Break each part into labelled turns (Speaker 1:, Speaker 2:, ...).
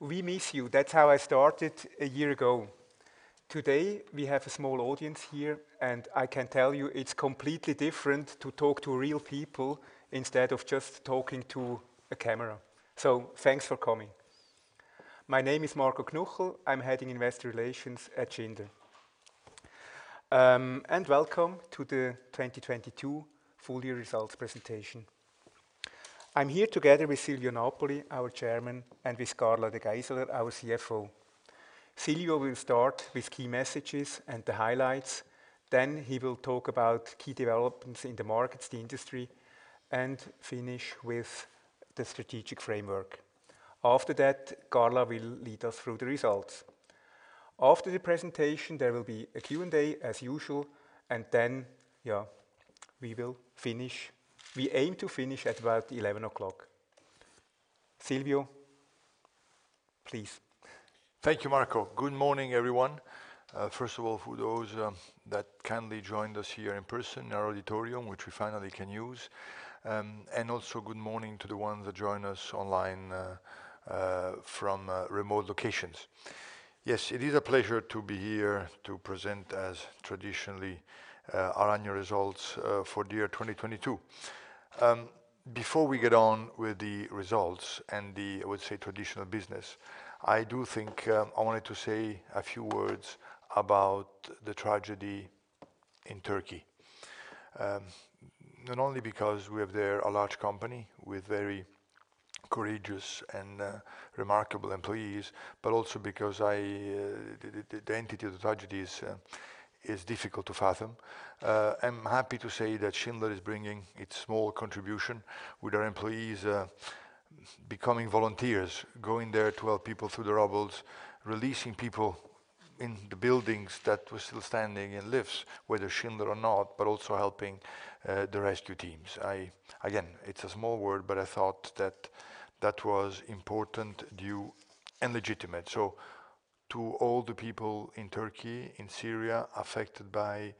Speaker 1: We miss you." That's how I started a year ago. Today, we have a small audience here. I can tell you it's completely different to talk to real people instead of just talking to a camera. Thanks for coming. My name is Marco Knuchel. I'm heading Investor Relations at Schindler. Welcome to the 2022 full year results presentation. I'm here together with Silvio Napoli, our Chairman, and with Carla De Geyseleer, our CFO. Silvio will start with key messages and the highlights. He will talk about key developments in the markets, the industry, and finish with the strategic framework. After that, Carla will lead us through the results. After the presentation, there will be a Q&A as usual. We aim to finish at about 11:00 A.M. Silvio, please.
Speaker 2: Thank you, Marco. Good morning, everyone. First of all, for those, that kindly joined us here in person in our auditorium, which we finally can use, and also good morning to the ones that join us online, from, remote locations. Yes, it is a pleasure to be here to present as traditionally, our annual results, for the year 2022. Before we get on with the results and the, I would say, traditional business, I do think, I wanted to say a few words about the tragedy in Turkey, not only because we have there a large company with very courageous and, remarkable employees, but also because I, the entity of the tragedy is difficult to fathom. I'm happy to say that Schindler is bringing its small contribution with our employees, becoming volunteers, going there to help people through the rubbles, releasing people in the buildings that were still standing in lifts, whether Schindler or not, but also helping the rescue teams. Again, it's a small word, but I thought that that was important, due, and legitimate. To all the people in Turkey, in Syria affected by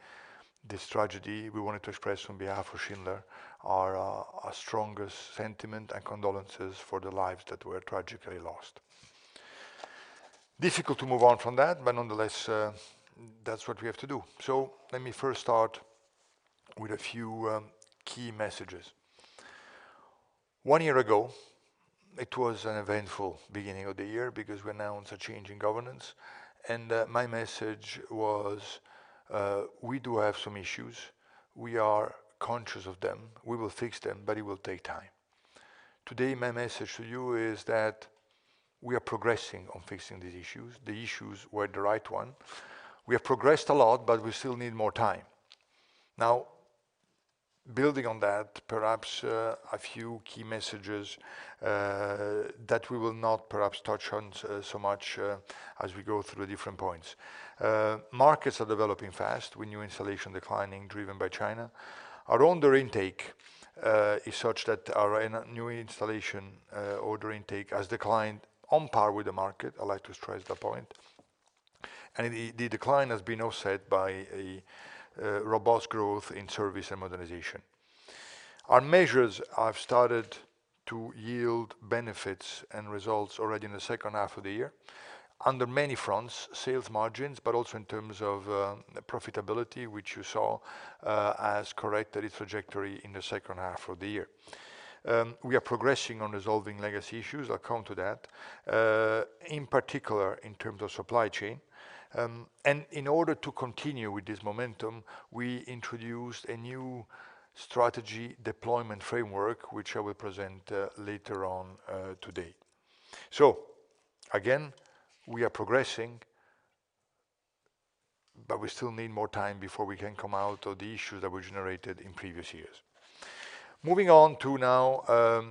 Speaker 2: this tragedy, we wanted to express on behalf of Schindler our strongest sentiment and condolences for the lives that were tragically lost. Difficult to move on from that, but nonetheless, that's what we have to do. Let me first start with a few key messages.. One year ago, it was an eventful beginning of the year because we announced a change in governance, and my message was, we do have some issues. We are conscious of them. We will fix them, but it will take time. Today, my message to you is that we are progressing on fixing these issues. The issues were the right one. We have progressed a lot, but we still need more time. Building on that, perhaps, a few key messages, that we will not perhaps touch on so much, as we go through the different points. Markets are developing fast with new installation declining, driven by China. Our order intake, is such that our new installation, order intake has declined on par with the market. I'd like to stress that point. The decline has been offset by a robust growth in service and modernization. Our measures have started to yield benefits and results already in the second half of the year under many fronts, sales margins, but also in terms of profitability, which you saw as corrected its trajectory in the second half of the year. We are progressing on resolving legacy issues. I'll come to that in particular in terms of supply chain. In order to continue with this momentum, we introduced a new strategy deployment framework, which I will present later on today. Again, we are progressing, but we still need more time before we can come out of the issues that were generated in previous years. Moving on to now,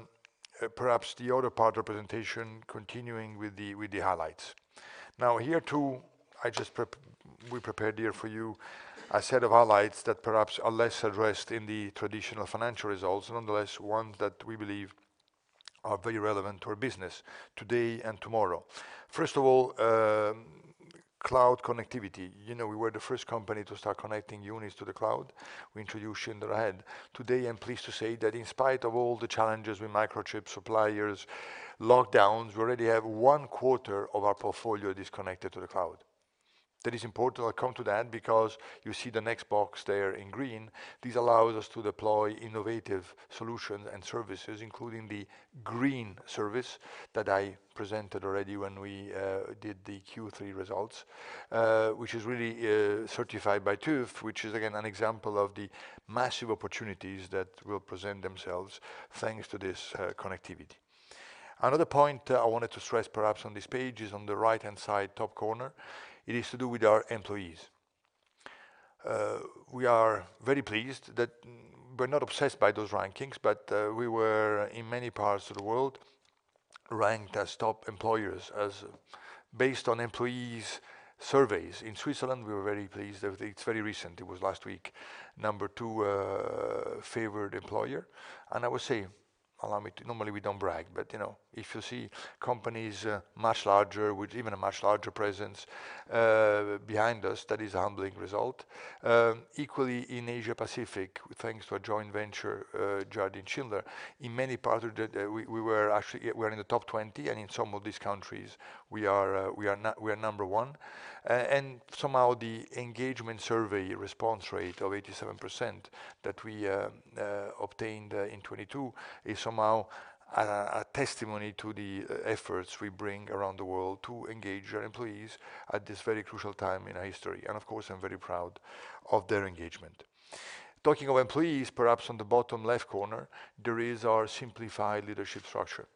Speaker 2: perhaps the other part of presentation, continuing with the highlights. Now, here too, we prepared here for you a set of highlights that perhaps are less addressed in the traditional financial results. Nonetheless, one that we believe are very relevant to our business today and tomorrow. First of all, cloud connectivity. You know, we were the first company to start connecting units to the cloud. We introduced Schindler Ahead. Today, I'm pleased to say that in spite of all the challenges with microchip suppliers, lockdowns, we already have one quarter of our portfolio that is connected to the cloud. That is important. I'll come to that because you see the next box there in green. This allows us to deploy innovative solutions and services, including the Green Service that I presented already when we did the Q3 results, which is really certified by TÜV, which is again an example of the massive opportunities that will present themselves thanks to this connectivity. Another point I wanted to stress perhaps on this page is on the right-hand side top corner. It is to do with our employees. We're not obsessed by those rankings, but we were in many parts of the world ranked as top employers as based on employees' surveys. In Switzerland, we were very pleased. It's very recent. It was last week, number two favored employer. Allow me to-- normally we don't brag, but, you know, if you see companies, much larger with even a much larger presence, behind us, that is a humbling result. Equally in Asia Pacific, thanks to a joint venture, Jardine Schindler, in many parts of that, we were actually-- we're in the top 20, and in some of these countries we are number one. Somehow the engagement survey response rate of 87% that we obtained in 2022 is somehow a testimony to the efforts we bring around the world to engage our employees at this very crucial time in our history. Of course, I'm very proud of their engagement. Talking of employees, perhaps on the bottom left corner, there is our simplified leadership structure.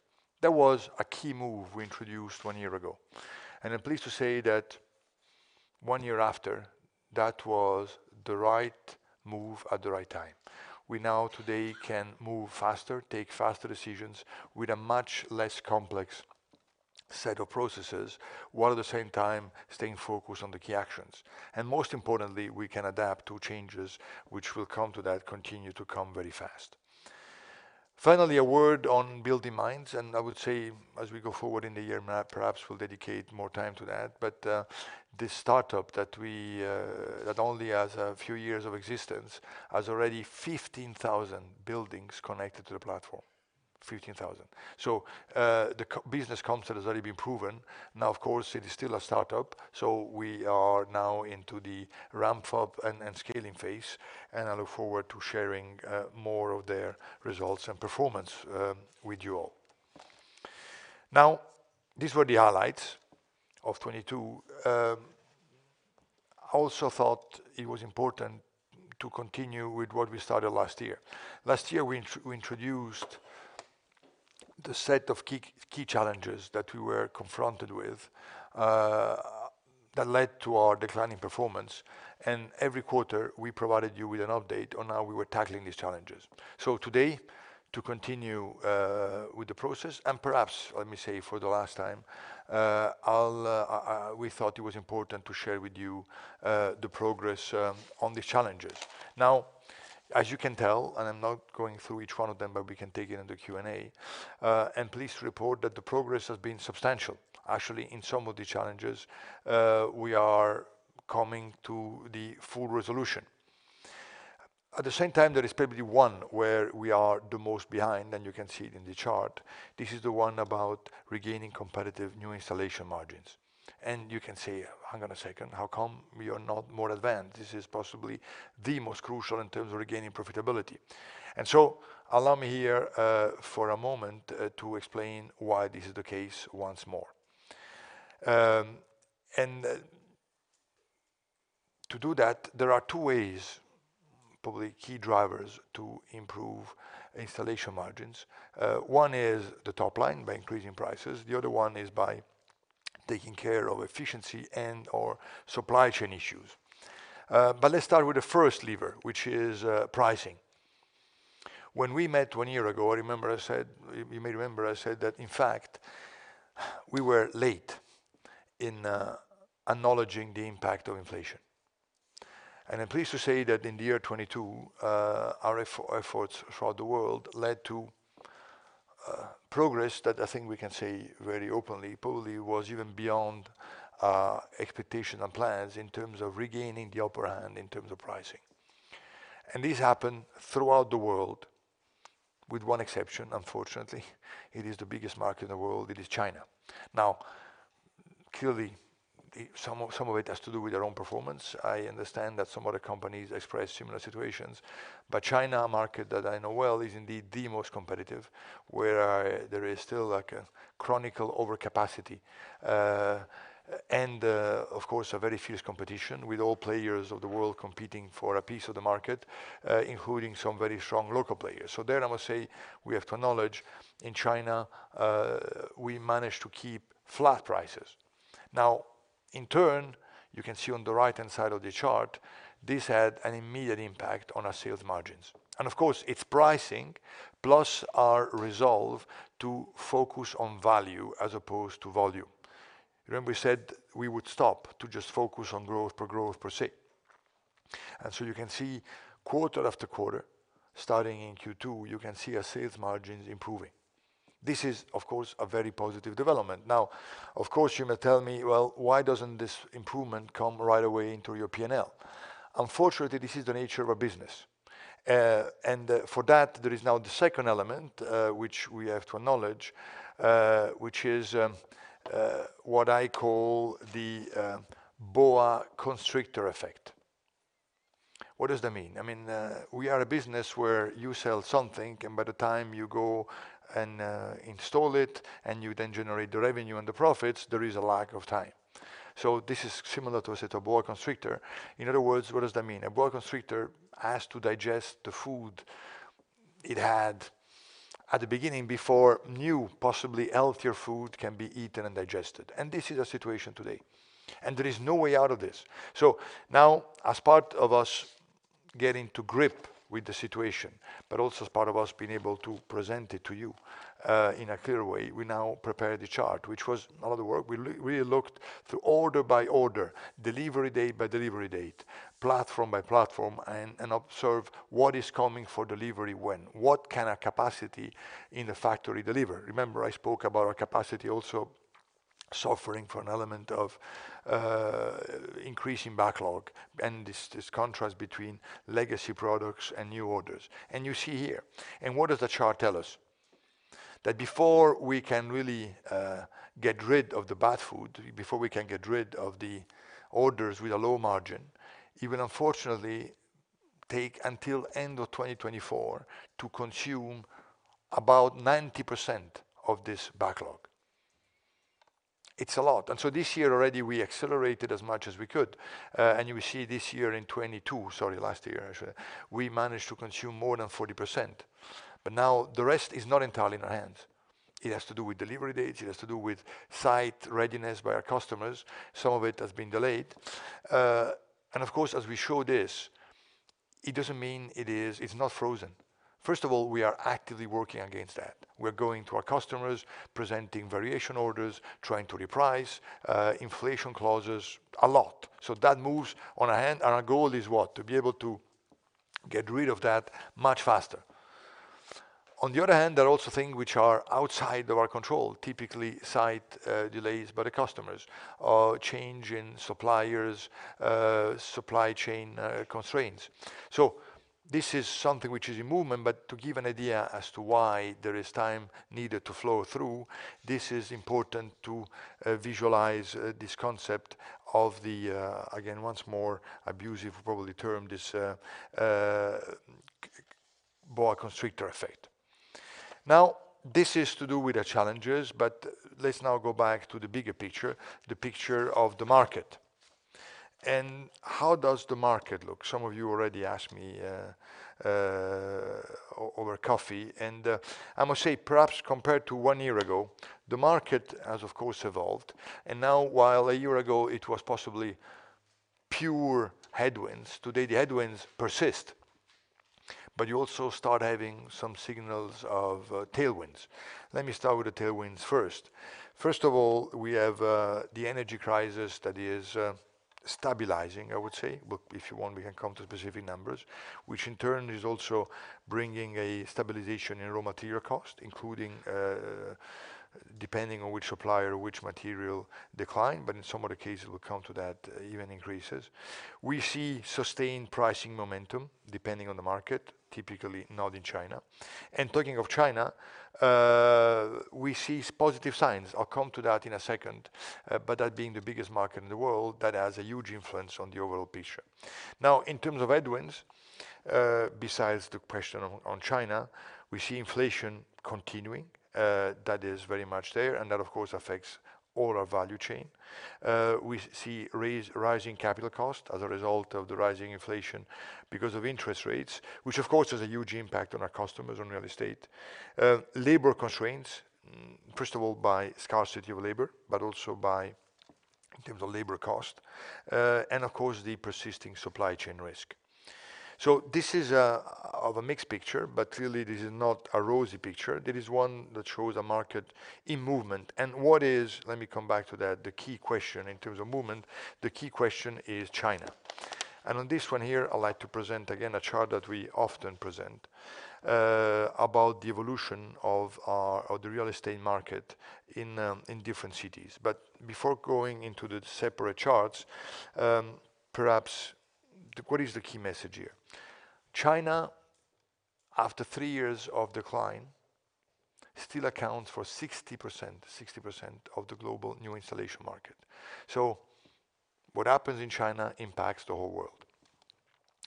Speaker 2: That was a key move we introduced one year ago. I'm pleased to say that one year after, that was the right move at the right time. We now today can move faster, take faster decisions with a much less complex set of processes, while at the same time staying focused on the key actions. Most importantly, we can adapt to changes which will come to that, continue to come very fast. Finally, a word on BuildingMinds. I would say as we go forward in the year, perhaps we'll dedicate more time to that. This startup that we that only has a few years of existence, has already 15,000 buildings connected to the platform. 15,000. The core business concept has already been proven. Of course, it is still a start-up, we are now into the ramp up and scaling phase, and I look forward to sharing more of their results and performance with you all. These were the highlights of 22. I also thought it was important to continue with what we started last year. Last year, we introduced the set of key challenges that we were confronted with, that led to our declining performance, every quarter we provided you with an update on how we were tackling these challenges. Today, to continue with the process, perhaps, let me say for the last time, we thought it was important to share with you the progress on these challenges. Now, as you can tell, I'm not going through each one of them, but we can take it in the Q&A. I'm pleased to report that the progress has been substantial. Actually, in some of the challenges, we are coming to the full resolution. At the same time, there is probably one where we are the most behind, and you can see it in the chart. This is the one about regaining competitive new installation margins. You can say, "Hang on a second. How come we are not more advanced? This is possibly the most crucial in terms of regaining profitability." Allow me here, for a moment, to explain why this is the case once more. To do that, there are two ways, probably key drivers, to improve installation margins. One is the top line, by increasing prices. The other one is by taking care of efficiency and/or supply chain issues. Let's start with the first lever, which is pricing. When we met one year ago, I remember I said, you may remember I said that in fact, we were late in acknowledging the impact of inflation. I'm pleased to say that in the year 2022, our efforts throughout the world led to progress that I think we can say very openly, probably was even beyond expectation and plans in terms of regaining the upper hand in terms of pricing. This happened throughout the world, with one exception, unfortunately. It is the biggest market in the world. It is China. Now, clearly, some of it has to do with their own performance. I understand that some other companies express similar situations. China, a market that I know well, is indeed the most competitive, where there is still like a chronicle overcapacity, and, of course, a very fierce competition with all players of the world competing for a piece of the market, including some very strong local players. There I must say, we have to acknowledge in China, we managed to keep flat prices. In turn, you can see on the right-hand side of the chart, this had an immediate impact on our sales margins, and of course, its pricing, plus our resolve to focus on value as opposed to volume. Remember we said we would stop to just focus on growth per growth per se. You can see quarter after quarter, starting in Q2, you can see our sales margins improving. This is, of course, a very positive development. Of course, you may tell me, "Well, why doesn't this improvement come right away into your P&L?" Unfortunately, this is the nature of our business. For that, there is now the second element, which we have to acknowledge, which is what I call the boa constrictor effect. What does that mean? I mean, we are a business where you sell something, and by the time you go and install it, and you then generate the revenue and the profits, there is a lag of time. This is similar to, say, the boa constrictor. In other words, what does that mean? A boa constrictor has to digest the food it had at the beginning before new, possibly healthier food can be eaten and digested. This is our situation today, and there is no way out of this. Now, as part of us getting to grip with the situation, but also as part of us being able to present it to you, in a clear way, we now prepare the chart, which was a lot of work. We looked through order by order, delivery date by delivery date, platform by platform, and observe what is coming for delivery when, what can our capacity in the factory deliver. Remember, I spoke about our capacity also suffering for an element of increasing backlog and this contrast between legacy products and new orders. You see here. What does the chart tell us? That before we can really get rid of the bad food, before we can get rid of the orders with a low margin, it will unfortunately take until end of 2024 to consume about 90% of this backlog. It's a lot. This year already, we accelerated as much as we could. And you will see this year in 22, sorry, last year actually, we managed to consume more than 40%. Now the rest is not entirely in our hands. It has to do with delivery dates, it has to do with site readiness by our customers. Some of it has been delayed. And of course, as we show this, it doesn't mean it's not frozen. First of all, we are actively working against that. We're going to our customers, presenting variation orders, trying to reprice, inflation clauses, a lot. That moves on a hand, and our goal is what? To be able to get rid of that much faster. On the other hand, there are also things which are outside of our control, typically site delays by the customers, or change in suppliers, supply chain constraints. This is something which is in movement, but to give an idea as to why there is time needed to flow through, this is important to visualize this concept of the again, once more abusive, probably term, this boa constrictor effect. This is to do with the challenges, but let's now go back to the bigger picture, the picture of the market. How does the market look? Some of you already asked me over coffee, and I must say, perhaps compared to one year ago, the market has, of course, evolved. Now, while a year ago, it was possibly pure headwinds, today the headwinds persist, but you also start having some signals of tailwinds. Let me start with the tailwinds first. First of all, we have the energy crisis that is stabilizing, I would say. Look, if you want, we can come to specific numbers, which in turn is also bringing a stabilization in raw material cost, including, depending on which supplier, which material decline, but in some other cases, we'll come to that, even increases. We see sustained pricing momentum, depending on the market, typically not in China. Talking of China, we see positive signs. I'll come to that in a second. That being the biggest market in the world, that has a huge influence on the overall picture. Now, in terms of headwinds, besides the question on China, we see inflation continuing. That is very much there, and that, of course, affects all our value chain. We see rising capital cost as a result of the rising inflation because of interest rates, which of course, has a huge impact on our customers on real estate. Labor constraints, first of all, by scarcity of labor, but also by, in terms of labor cost, and of course, the persisting supply chain risk. This is a, of a mixed picture, but really this is not a rosy picture. It is one that shows a market in movement. What is, let me come back to that, the key question in terms of movement, he key question is China. On this one here, I'd like to present again a chart that we often present about the evolution of the real estate market in different cities. Before going into the separate charts, perhaps what is the key message here? China, after three years of decline, still accounts for 60% of the global new installation market. What happens in China impacts the whole world.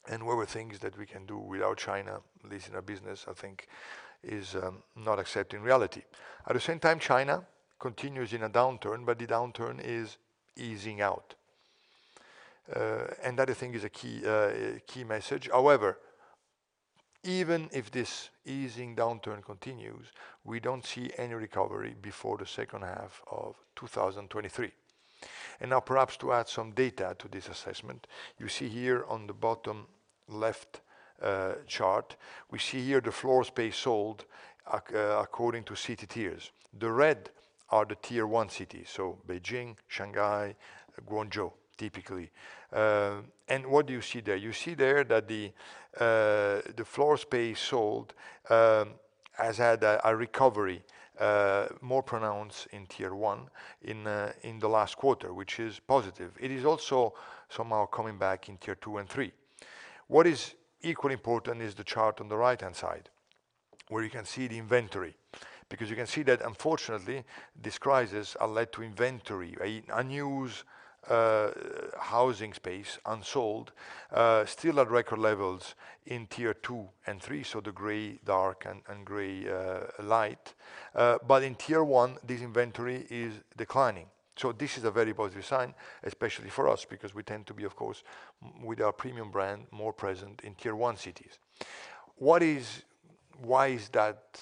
Speaker 2: Whatever things that we can do without China, at least in our business, I think is not accepting reality. At the same time, China continues in a downturn, but the downturn is easing out. That I think is a key message. However, even if this easing downturn continues, we don't see any recovery before the second half of 2023. Now perhaps to add some data to this assessment, you see here on the bottom left, chart, we see here the floor space sold according to city tiers. The red are the tier one cities, so Beijing, Shanghai, Guangzhou, typically. What do you see there? You see there that the floor space sold has had a recovery more pronounced in tier one in the last quarter, which is positive. It is also somehow coming back in tier two and three. What is equally important is the chart on the right-hand side, where you can see the inventory, because you can see that unfortunately, this crisis has led to inventory, a unused housing space unsold, still at record levels in tier two and three, so the gray dark and gray light. In tier one, this inventory is declining. This is a very positive sign, especially for us, because we tend to be, of course, with our premium brand, more present in tier one cities. Why is that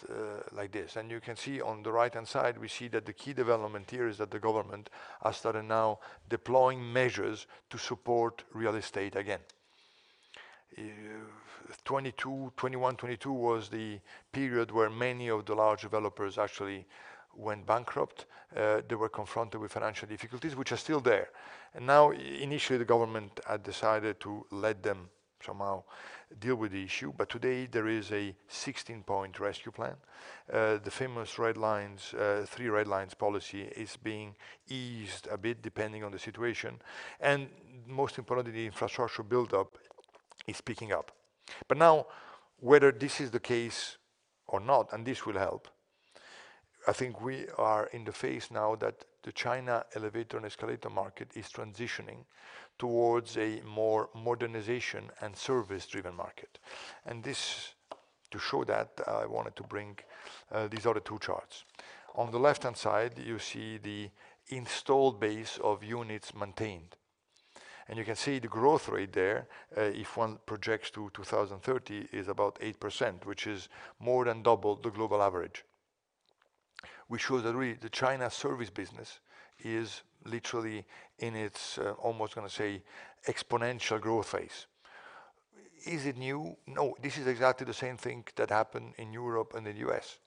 Speaker 2: like this? You can see on the right-hand side, we see that the key development here is that the government has started now deploying measures to support real estate again. If 2022, 2021, 2022 was the period where many of the large developers actually went bankrupt, they were confronted with financial difficulties, which are still there. Now initially, the government had decided to let them somehow deal with the issue, but today there is a 16-point rescue package. The famous Three Red Lines, Three Red Lines policy is being eased a bit depending on the situation. Most importantly, the infrastructure build-up is picking up. Now whether this is the case or not, and this will help, I think we are in the phase now that the China elevator and escalator market is transitioning towards a more modernization and service-driven market. This, to show that, I wanted to bring these other two charts. On the left-hand side, you see the installed base of units maintained. You can see the growth rate there, if one projects to 2030 is about 8%, which is more than double the global average, which shows that really the China service business is literally in its exponential growth phase. Is it new? No. This is exactly the same thing that happened in Europe and the U.S.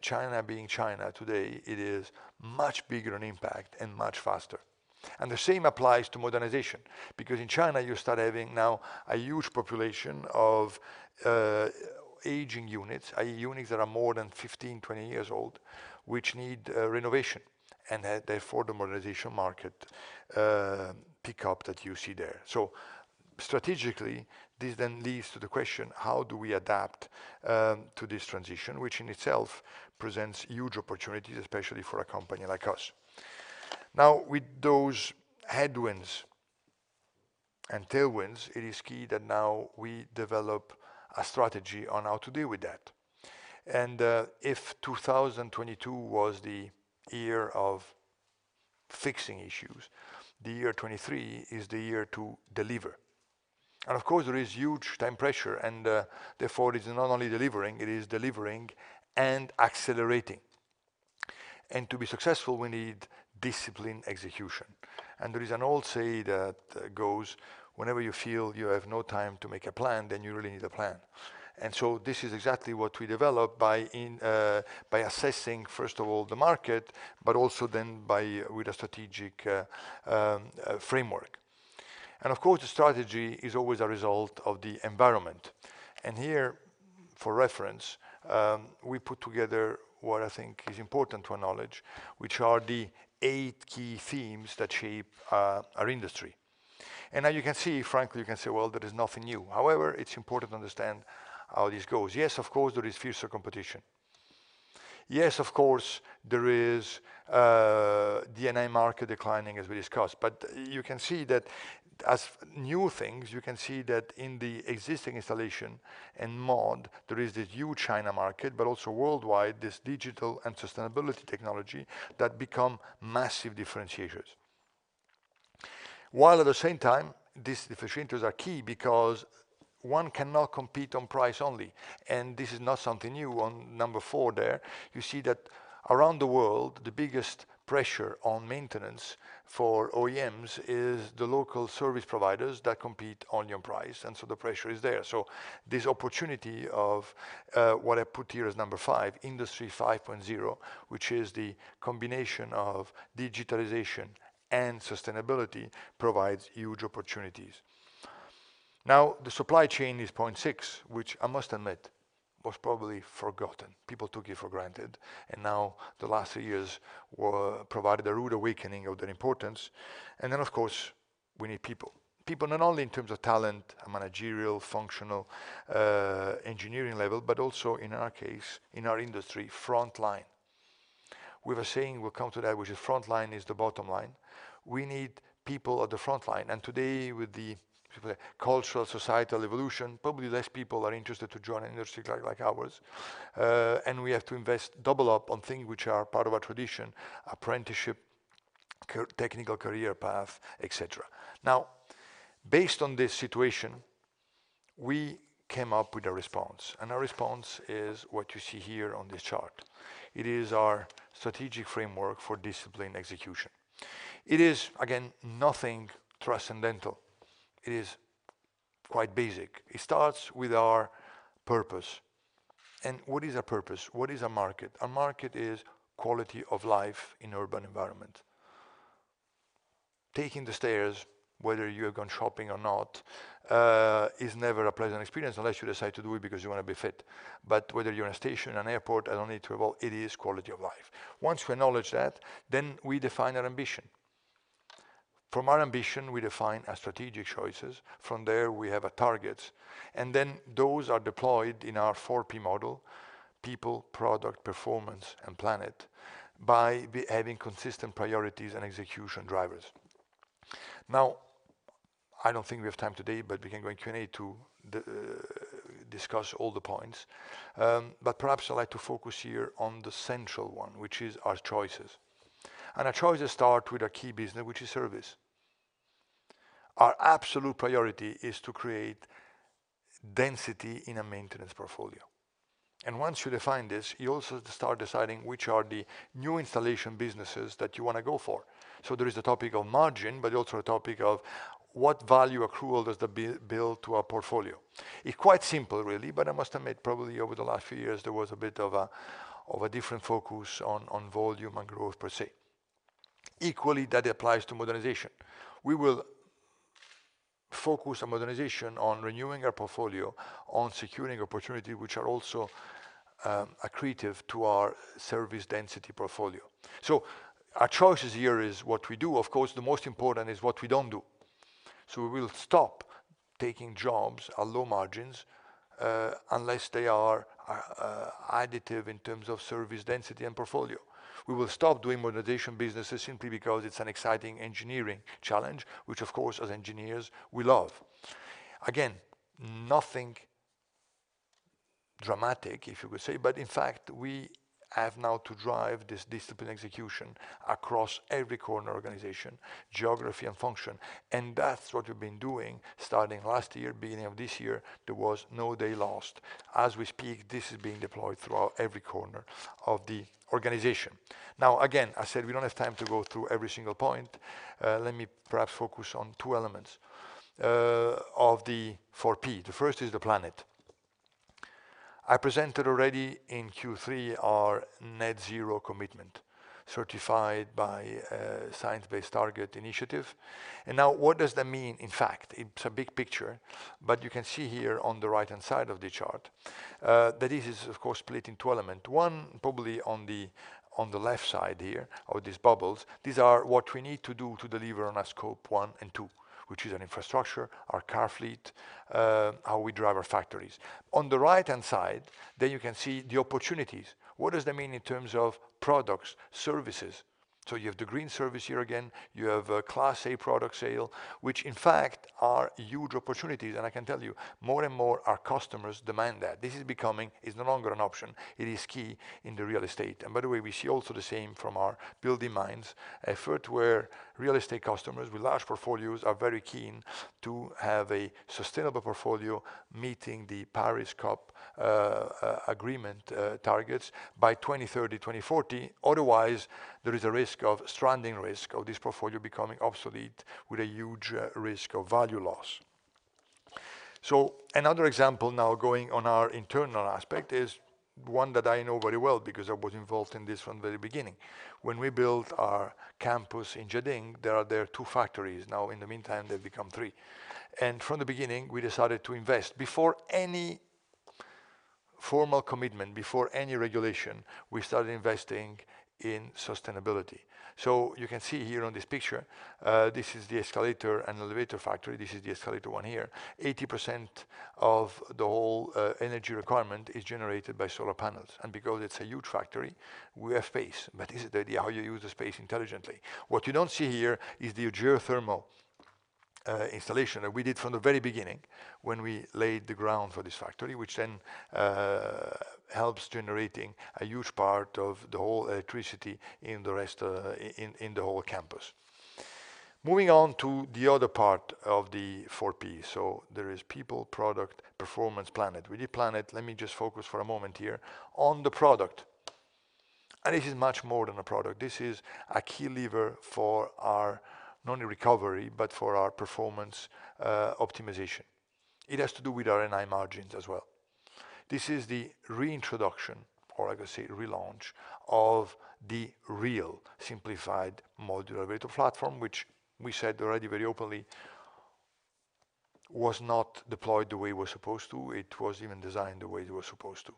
Speaker 2: China being China today, it is much bigger an impact and much faster. The same applies to modernization because in China, you start having now a huge population of aging units, i.e., units that are more than 15, 20 years old, which need renovation, therefore the modernization market pick up that you see there. Strategically, this then leads to the question: How do we adapt to this transition, which in itself presents huge opportunities, especially for a company like us. Now, with those headwinds and tailwinds, it is key that now we develop a strategy on how to deal with that. If 2022 was the year of fixing issues, the year 2023 is the year to deliver. Of course, there is huge time pressure, therefore it is not only delivering, it is delivering and accelerating. To be successful, we need disciplined execution. There is an old saying that goes, "Whenever you feel you have no time to make a plan, then you really need a plan." This is exactly what we developed by assessing, first of all, the market, but also then by with a strategic framework. Of course, the strategy is always a result of the environment. Here, for reference, we put together what I think is important to acknowledge, which are the eight key themes that shape our industry. Now you can see, frankly, you can say, "Well, there is nothing new." However, it's important to understand how this goes. Yes, of course, there is fiercer competition. Yes, of course, there is NI/NA market declining, as we discussed. You can see that as new things, you can see that in the existing installation and mod, there is this huge China market, but also worldwide, this digital and sustainability technology that become massive differentiators. While at the same time, these differentiators are key because one cannot compete on price only, and this is not something new. On number four there, you see that around the world, the biggest pressure on maintenance for OEMs is the local service providers that compete on your price, and so the pressure is there. This opportunity of what I put here as number five, Industry 5.0, which is the combination of digitalization and sustainability, provides huge opportunities. Now, the supply chain is point six, which I must admit was probably forgotten. People took it for granted. Now the last three years provided a rude awakening of their importance. Of course, we need people. People not only in terms of talent, managerial, functional, engineering level, but also in our case, in our industry, front line. We have a saying, we'll come to that, which is front line is the bottom line. We need people at the front line. Today with the cultural, societal evolution, probably less people are interested to join an industry like ours. We have to invest double up on things which are part of our tradition, apprenticeship, technical career path, et cetera. Based on this situation, we came up with a response, our response is what you see here on this chart. It is our strategic framework for disciplined execution. It is, again, nothing transcendental. It is quite basic. It starts with our purpose. What is our purpose? What is our market? Our market is quality of life in urban environment. Taking the stairs, whether you have gone shopping or not, is never a pleasant experience unless you decide to do it because you wanna be fit. Whether you're in a station, an airport, I don't need to evolve, it is quality of life. Once we acknowledge that, we define our ambition. From our ambition, we define our strategic choices. From there, we have our targets. Those are deployed in our four P model: people, product, performance, and planet, by having consistent priorities and execution drivers. I don't think we have time today, but we can go in Q&A to the discuss all the points. Perhaps I'd like to focus here on the central one, which is our choices. Our choices start with our key business, which is service. Our absolute priority is to create density in a maintenance portfolio. Once you define this, you also start deciding which are the new installation businesses that you want to go for. There is a topic of margin, but also a topic of what value accrual does that build to our portfolio. It's quite simple really, but I must admit, probably over the last few years, there was a bit of a different focus on volume and growth per se. Equally, that applies to modernization. We will focus on modernization, on renewing our portfolio, on securing opportunity, which are also accretive to our service density portfolio. Our choices here is what we do. Of course, the most important is what we don't do. We will stop taking jobs at low margins, unless they are additive in terms of service density and portfolio. We will stop doing modernization businesses simply because it's an exciting engineering challenge, which of course, as engineers we love. Nothing dramatic, if you could say. In fact, we have now to drive this disciplined execution across every corner organization, geography and function. That's what we've been doing starting last year, beginning of this year, there was no day lost. As we speak, this is being deployed throughout every corner of the organization. I said we don't have time to go through every single point. Let me perhaps focus on two elements of the four P. The first is the planet. I presented already in Q3 our Net Zero commitment certified by Science Based Targets Initiative. What does that mean, in fact? It's a big picture, but you can see here on the right-hand side of the chart, that this is of course split in two element. One, probably on the left side here are these bubbles. These are what we need to do to deliver on our Scope one and two, which is an infrastructure, our car fleet, how we drive our factories. On the right-hand side, there you can see the opportunities. What does that mean in terms of products, services? You have the Green Service here again, you have a Class-A product sale, which in fact are huge opportunities. I can tell you, more and more our customers demand that. It's no longer an option. It is key in the real estate. By the way, we see also the same from our BuildingMinds effort, where real estate customers with large portfolios are very keen to have a sustainable portfolio meeting the Paris Agreement targets by 2030, 2040. Otherwise, there is a risk of stranding risk of this portfolio becoming obsolete with a huge risk of value loss. Another example now going on our internal aspect is one that I know very well because I was involved in this from the very beginning. When we built our campus in Jiading, there are two factories. Now, in the meantime, they've become three. From the beginning, we decided to invest. Before any formal commitment, before any regulation, we started investing in sustainability. You can see here on this picture, this is the escalator and elevator factory. This is the escalator one here. 80% of the whole energy requirement is generated by solar panels. Because it's a huge factory, we have space, but is the idea how you use the space intelligently. What you don't see here is the geothermal installation that we did from the very beginning when we laid the ground for this factory, which then helps generating a huge part of the whole electricity in the rest in the whole campus. Moving on to the other part of the 4 Ps. There is people, product, performance, planet. We did planet. Let me just focus for a moment here on the product. This is much more than a product. This is a key lever for our not only recovery, but for our performance optimization. It has to do with our NI margins as well. This is the reintroduction, or I could say relaunch, of the real simplified modular elevator platform, which we said already very openly was not deployed the way it was supposed to. It was even designed the way it was supposed to.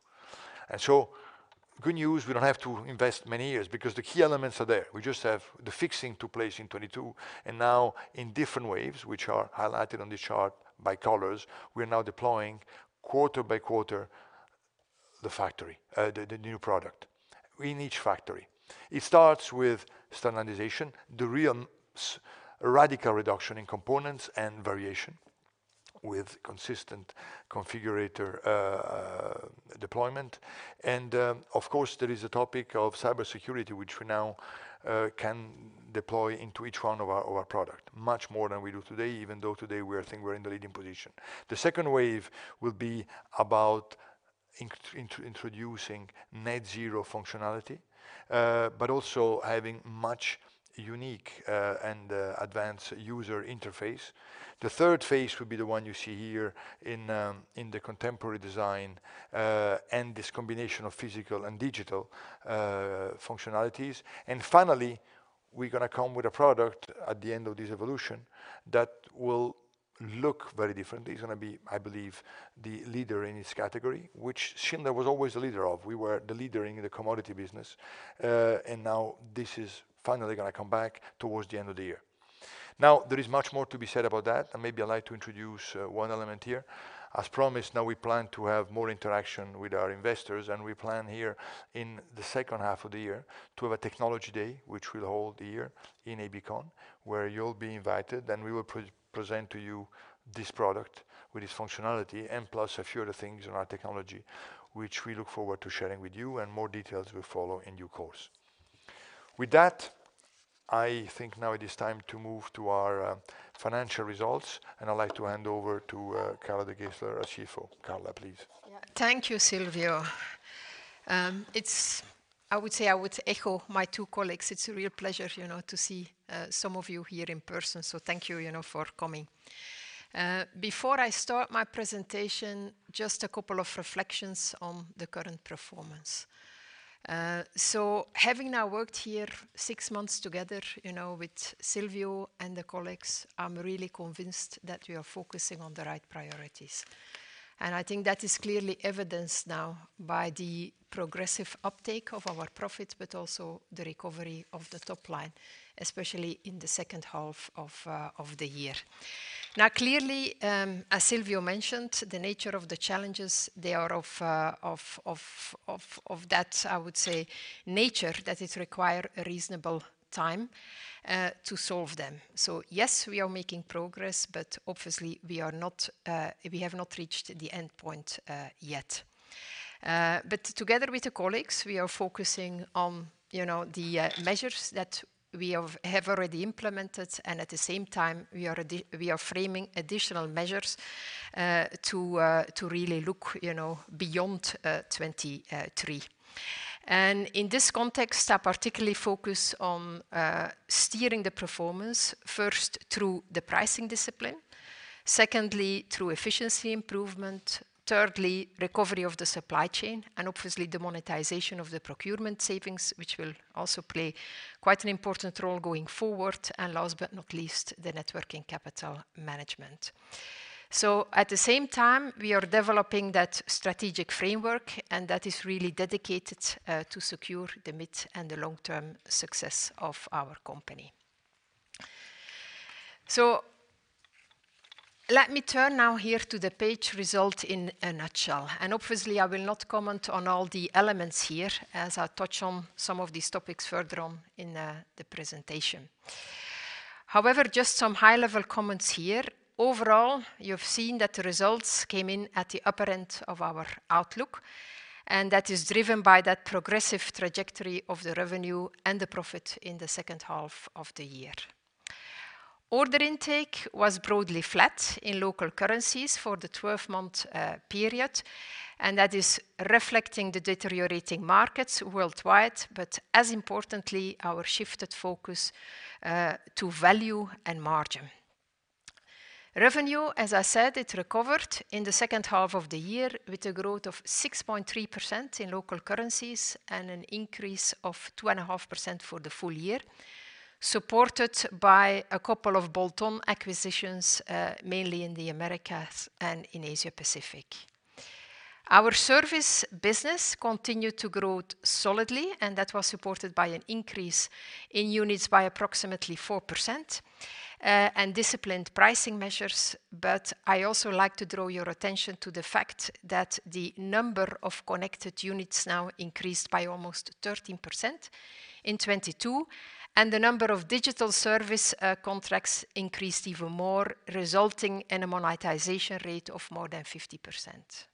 Speaker 2: Good news, we don't have to invest many years because the key elements are there. We just have the fixing took place in 22, and now in different waves, which are highlighted on this chart by colors, we're now deploying quarter by quarter, the factory, the new product in each factory. It starts with standardization, the real radical reduction in components and variation with consistent configurator deployment. Of course, there is a topic of cybersecurity, which we now can deploy into each one of our product much more than we do today, even though today we are think we're in the leading position. The second wave will be about introducing Net Zero functionality, but also having much unique and advanced user interface. The third phase will be the one you see here in the contemporary design, and this combination of physical and digital functionalities. Finally, we're gonna come with a product at the end of this evolution that will look very different. It's gonna be, I believe, the leader in its category, which Schindler was always the leader of. We were the leader in the commodity business, and now this is finally gonna come back towards the end of the year. Now, there is much more to be said about that, and maybe I'd like to introduce one element here. As promised, now we plan to have more interaction with our investors, and we plan here in the second half of the year to have a technology day, which we'll hold here in Ebikon, where you'll be invited, and we will pre-present to you this product with its functionality and plus a few other things on our technology, which we look forward to sharing with you, and more details will follow in due course. With that, I think now it is time to move to our financial results, and I'd like to hand over to Carla De Geyseleer, our CFO. Carla, please.
Speaker 3: Thank you, Silvio. I would say I would echo my two colleagues. It's a real pleasure, you know, to see some of you here in person, thank you know, for coming. Before I start my presentation, just a couple of reflections on the current performance. Having now worked here six months together, you know, with Silvio and the colleagues, I'm really convinced that we are focusing on the right priorities. I think that is clearly evidenced now by the progressive uptake of our profit, but also the recovery of the top line, especially in the second half of the year. Clearly, as Silvio mentioned, the nature of the challenges they are of that, I would say, nature that it require a reasonable time to solve them. Yes, we are making progress, but obviously we have not reached the end point yet. But together with the colleagues, we are focusing on, you know, the measures that we have already implemented, and at the same time, we are framing additional measures to really look, you know, beyond 2023. In this context, I particularly focus on steering the performance first through the pricing discipline. Secondly, through efficiency improvement. Thirdly, recovery of the supply chain, and obviously the monetization of the procurement savings, which will also play quite an important role going forward. Last but not least, the net working capital management. At the same time, we are developing that strategic framework, and that is really dedicated to secure the mid and the long-term success of our company. Let me turn now here to the page result in a nutshell. Obviously, I will not comment on all the elements here as I touch on some of these topics further on in the presentation. However, just some high-level comments here. Overall, you've seen that the results came in at the upper end of our outlook, and that is driven by that progressive trajectory of the revenue and the profit in the second half of the year. Order intake was broadly flat in local currencies for the 12-month period, and that is reflecting the deteriorating markets worldwide, but as importantly, our shifted focus to value and margin. Revenue, as I said, it recovered in the second half of the year with a growth of 6.3% in local currencies and an increase of 2.5% for the full year, supported by a couple of bolt-on acquisitions, mainly in the Americas and in Asia-Pacific. Our service business continued to grow solidly, that was supported by an increase in units by approximately 4%, and disciplined pricing measures. I also like to draw your attention to the fact that the number of connected units now increased by almost 13% in 2022, and the number of digital service contracts increased even more, resulting in a monetization rate of more than 50%.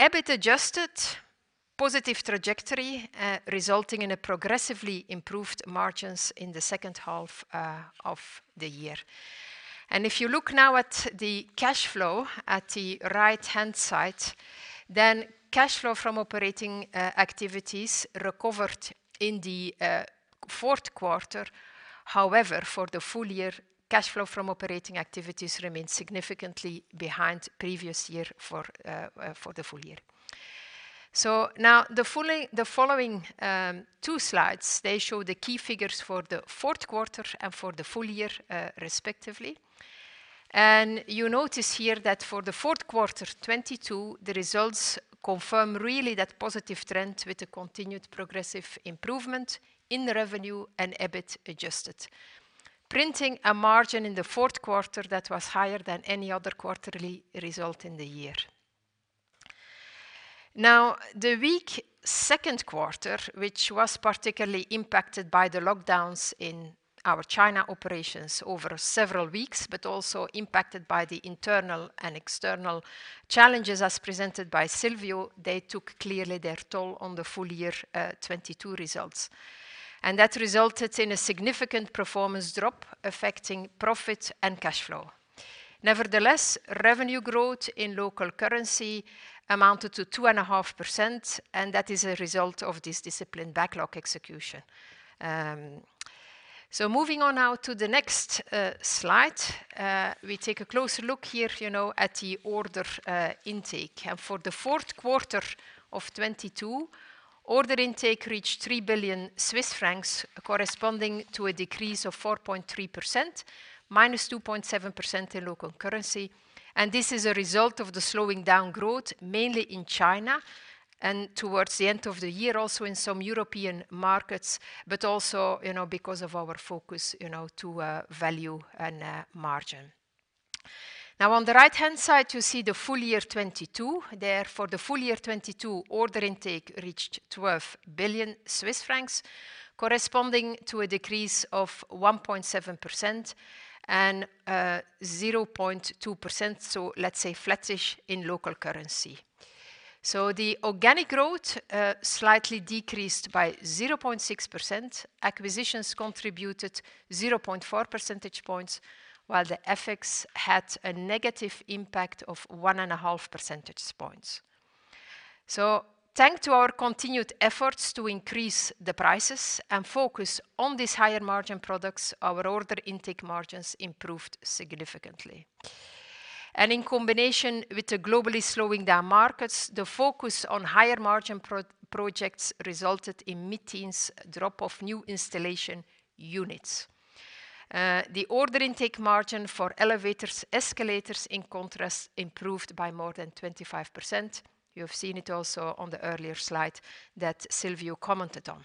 Speaker 3: EBIT adjusted positive trajectory, resulting in a progressively improved margins in the second half of the year. If you look now at the cash flow at the right-hand side, cash flow from operating activities recovered in the fourth quarter. However, for the full year, cash flow from operating activities remained significantly behind previous year for the full year. Now the following two lides, they show the key figures for the fourth quarter and for the full year, respectively. You notice here that for the fourth quarter, 2022, the results confirm really that positive trend with a continued progressive improvement in revenue and EBIT adjusted. Printing a margin in the fourth quarter that was higher than any other quarterly result in the year. The weak second quarter, which was particularly impacted by the lockdowns in our China operations over several weeks, but also impacted by the internal and external challenges as presented by Silvio Napoli, they took clearly their toll on the full year 2022 results. That resulted in a significant performance drop affecting profit and cash flow. Nevertheless, revenue growth in local currency amounted to 2.5%, and that is a result of this disciplined backlog execution. Moving on now to the next slide, we take a closer look here, you know, at the order intake. For the fourth quarter of 2022, order intake reached 3 billion Swiss francs, corresponding to a decrease of 4.3%, -2.7% in local currency. This is a result of the slowing down growth, mainly in China and towards the end of the year, also in some European markets, but also, you know, because of our focus, you know, to value and margin. On the right-hand side, you see the full year 2022. For the full year 2022, order intake reached 12 billion Swiss francs. Corresponding to a decrease of 1.7% and 0.2%, so let's say flattish in local currency. The organic growth slightly decreased by 0.6%. Acquisitions contributed 0.4 percentage points, while the FX had a negative impact of 1.5 percentage points. Thanks to our continued efforts to increase the prices and focus on these higher margin products, our order intake margins improved significantly. In combination with the globally slowing down markets, the focus on higher margin pro-projects resulted in mid-teens drop of new installation units. The order intake margin for elevators, escalators, in contrast, improved by more than 25%. You've seen it also on the earlier slide that Silvio commented on.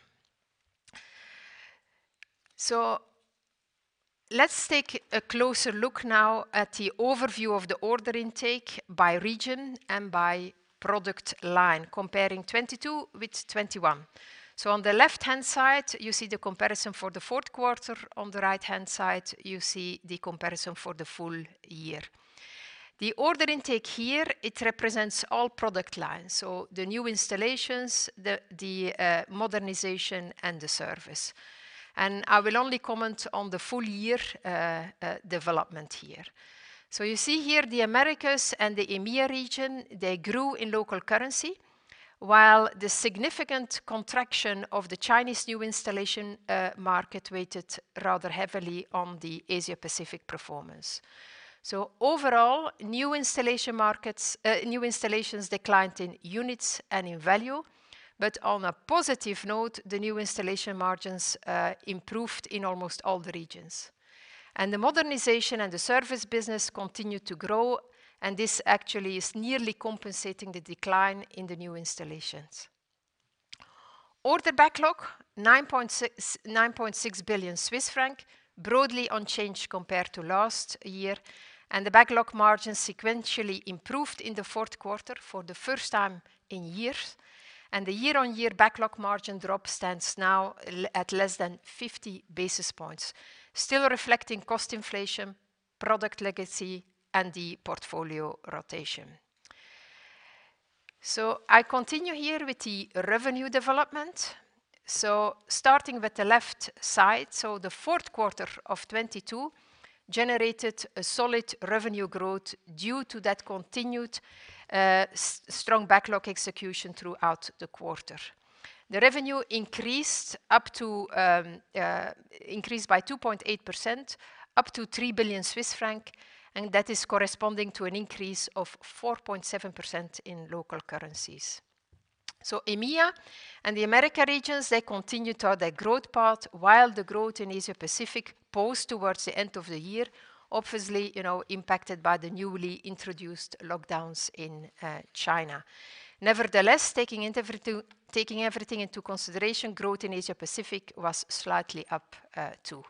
Speaker 3: Let's take a closer look now at the overview of the order intake by region and by product line, comparing 2022 with 2021. On the left-hand side, you see the comparison for the fourth quarter. On the right-hand side, you see the comparison for the full year. The order intake here, it represents all product lines, so the new installations, the modernization, and the service. I will only comment on the full year development here. You see here the Americas and the EMEA region, they grew in local currency, while the significant contraction of the Chinese new installation market weighted rather heavily on the Asia-Pacific performance. Overall, new installations declined in units and in value. On a positive note, the new installation margins improved in almost all the regions. The modernization and the service business continued to grow, and this actually is nearly compensating the decline in the new installations. Order backlog, 9.6 billion Swiss franc, broadly unchanged compared to last year, and the backlog margin sequentially improved in the fourth quarter for the first time in years. The year-on-year backlog margin drop stands now at less than 50 basis points, still reflecting cost inflation, product legacy, and the portfolio rotation. I continue here with the revenue development. Starting with the left side, the fourth quarter of 2022 generated a solid revenue growth due to that continued strong backlog execution throughout the quarter. The revenue increased up to, increased by 2.8%, up to 3 billion Swiss francs, and that is corresponding to an increase of 4.7% in local currencies. EMEA and the Americas regions, they continued toward their growth path, while the growth in Asia-Pacific paused towards the end of the year, obviously, you know, impacted by the newly introduced lockdowns in China. Nevertheless, taking everything into consideration, growth in Asia-Pacific was slightly up too.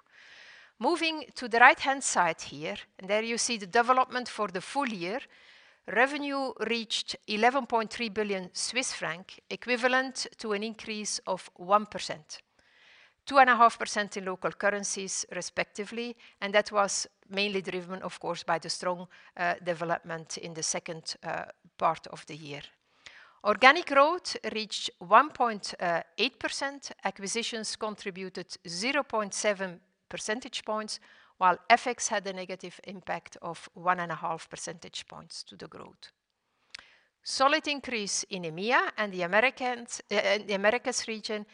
Speaker 3: Moving to the right-hand side here, there you see the development for the full year. Revenue reached 11.3 billion Swiss franc, equivalent to an increase of 1%, 2.5% in local currencies, respectively. That was mainly driven, of course, by the strong development in the second part of the year. Organic growth reached 1.8%. Acquisitions contributed 0.7 percentage points, while FX had a negative impact of 1.5 percentage points to the growth. Solid increase in EMEA and the Americas region,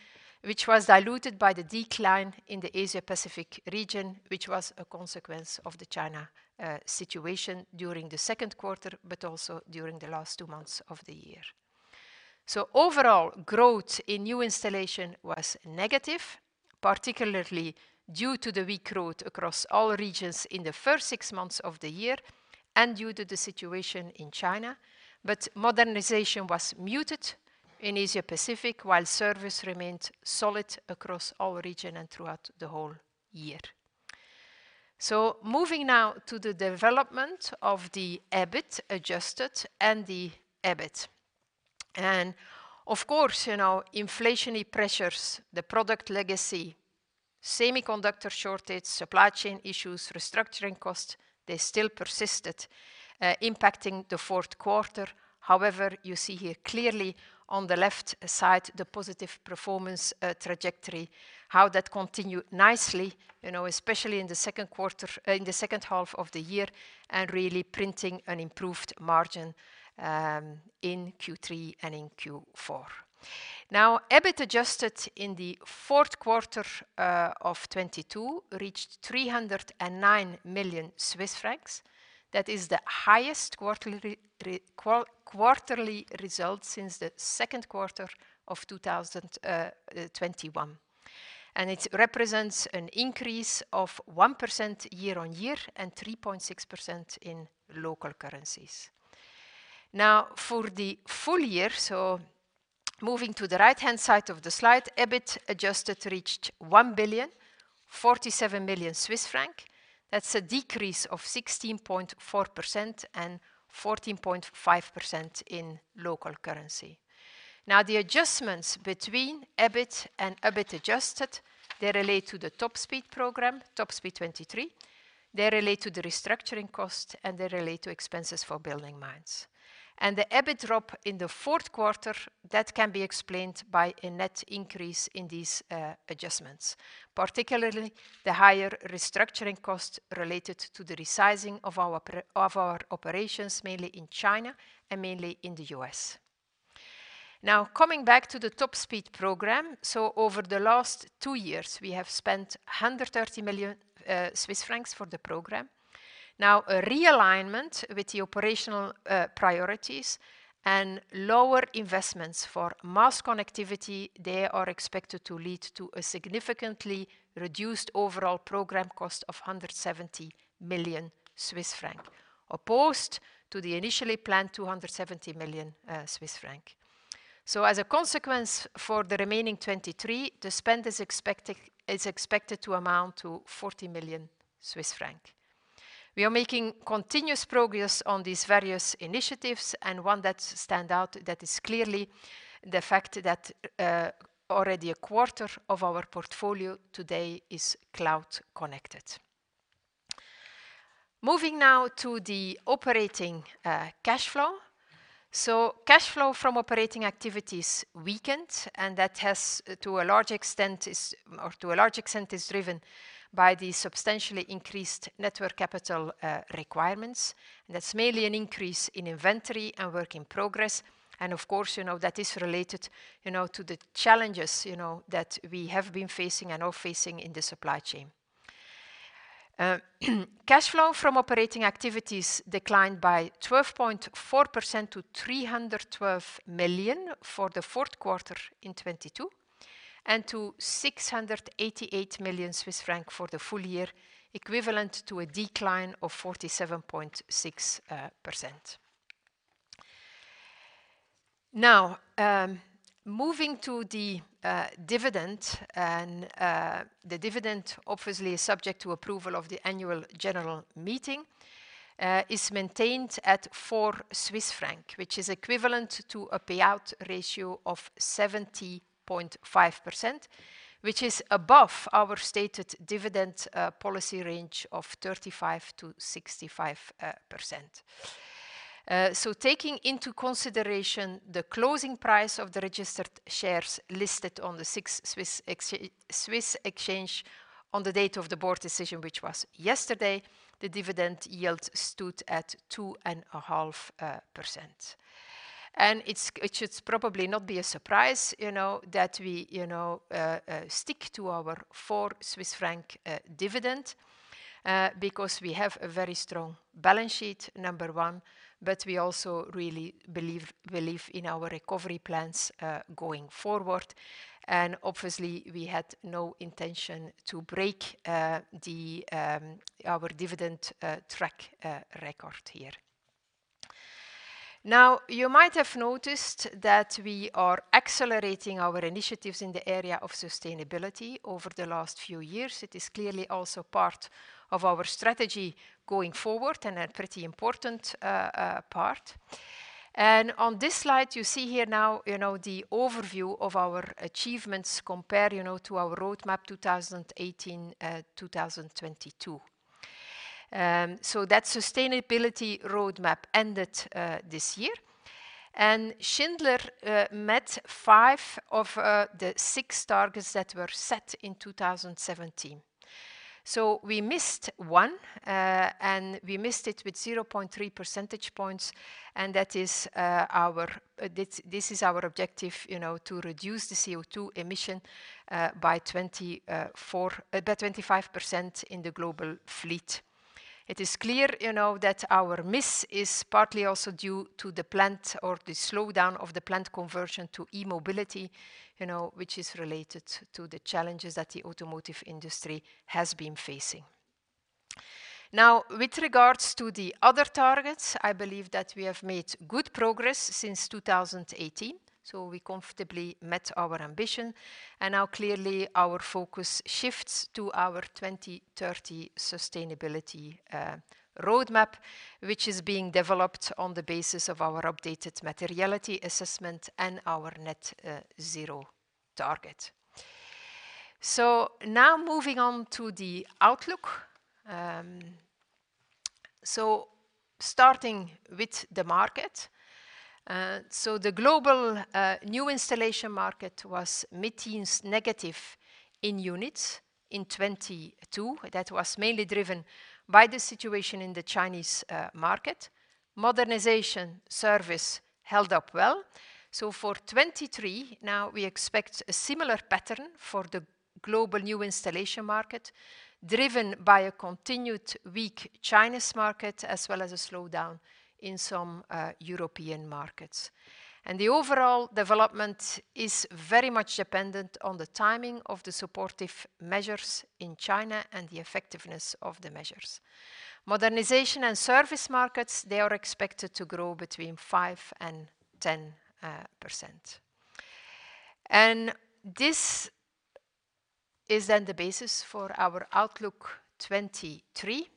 Speaker 3: which was diluted by the decline in the Asia-Pacific region, which was a consequence of the China situation during the second quarter, but also during the last two months of the year. Overall growth in new installation was negative, particularly due to the weak growth across all regions in the first six months of the year and due to the situation in China. Modernization was muted in Asia-Pacific, while service remained solid across all region and throughout the whole year. Moving now to the development of the EBIT adjusted and the EBIT. Of course, you know, inflationary pressures, the product legacy, semiconductor shortage, supply chain issues, restructuring costs, they still persisted, impacting the fourth quarter. However, you see here clearly on the left side the positive performance trajectory, how that continued nicely, you know, especially in the second half of the year, and really printing an improved margin in Q3 and in Q4. EBIT adjusted in the fourth quarter of 2022 reached 309 million Swiss francs. That is the highest quarterly result since the second quarter of 2021. It represents an increase of 1% year-on-year and 3.6% in local currencies. For the full year, so moving to the right-hand side of the slide, EBIT adjusted reached 1,047 million Swiss franc. That's a decrease of 16.4% and 14.5% in local currency. The adjustments between EBIT and EBIT adjusted, they relate to the Top Speed program, Top Speed 2023. They relate to the restructuring costs, and they relate to expenses for BuildingMinds. The EBIT drop in the fourth quarter, that can be explained by a net increase in these adjustments, particularly the higher restructuring costs related to the resizing of our operations, mainly in China and mainly in the U.S. Coming back to the Top Speed, over the last two years, we have spent 130 million Swiss francs for the program. A realignment with the operational priorities and lower investments for mass connectivity, they are expected to lead to a significantly reduced overall program cost of 170 million Swiss franc, opposed to the initially planned 270 million Swiss franc. As a consequence for the remaining 2023, the spend is expected to amount to 40 million Swiss francs. We are making continuous progress on these various initiatives, and one that stand out that is clearly the fact that, already a quarter of our portfolio today is cloud connected. Moving now to the operating cash flow. Cash flow from operating activities weakened, and that is driven by the substantially increased net working capital requirements. That's mainly an increase in inventory and work in progress. Of course, you know, that is related, you know, to the challenges, you know, that we have been facing and are facing in the supply chain. Cash flow from operating activities declined by 12.4% to 312 million for the fourth quarter in 2022, and to 688 million Swiss franc for the full year, equivalent to a decline of 47.6%. Moving to the dividend, the dividend obviously is subject to approval of the annual general meeting, is maintained at 4 Swiss franc, which is equivalent to a payout ratio of 70.5%, which is above our stated dividend policy range of 35%-65%. Taking into consideration the closing price of the registered shares listed on the SIX Swiss Exchange on the date of the board decision, which was yesterday, the dividend yield stood at 2.5%. It's, it should probably not be a surprise, you know, that we, you know, stick to our 4 Swiss franc dividend because we have a very strong balance sheet, number one, but we also really believe in our recovery plans going forward. Obviously, we had no intention to break the our dividend track record here. Now, you might have noticed that we are accelerating our initiatives in the area of sustainability over the last few years. It is clearly also part of our strategy going forward, and a pretty important part. On this slide, you see here now, you know, the overview of our achievements compared, you know, to our roadmap 2018-2022. That sustainability roadmap ended this year. Schindler met five of the six targets that were set in 2017. We missed one, and we missed it with 0.3 percentage points, and that is our objective, you know, to reduce the CO2 emission by 25% in the global fleet. It is clear, you know, that our miss is partly also due to the plant or the slowdown of the plant conversion to e-mobility, you know, which is related to the challenges that the automotive industry has been facing. With regards to the other targets, I believe that we have made good progress since 2018, so we comfortably met our ambition. Clearly our focus shifts to our 2030 sustainability roadmap, which is being developed on the basis of our updated materiality assessment and our Net Zero target. Moving on to the outlook. Starting with the market. The global new installation market was mid-teens negative in units in 2022. That was mainly driven by the situation in the Chinese market. Modernization service held up well. For 2023, we expect a similar pattern for the global new installation market, driven by a continued weak Chinese market as well as a slowdown in some European markets. The overall development is very much dependent on the timing of the supportive measures in China and the effectiveness of the measures. Modernization and service markets, they are expected to grow between 5% and 10%. This is the basis for our outlook 2023.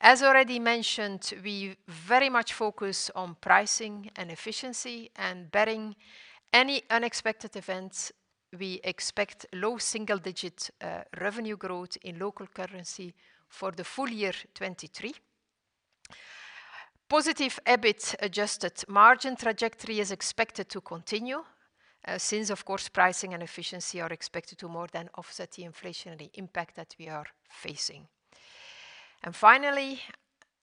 Speaker 3: As already mentioned, we very much focus on pricing and efficiency, and barring any unexpected events, we expect low single-digit revenue growth in local currency for the full year 2023. Positive EBIT adjusted margin trajectory is expected to continue, since of course, pricing and efficiency are expected to more than offset the inflationary impact that we are facing. Finally,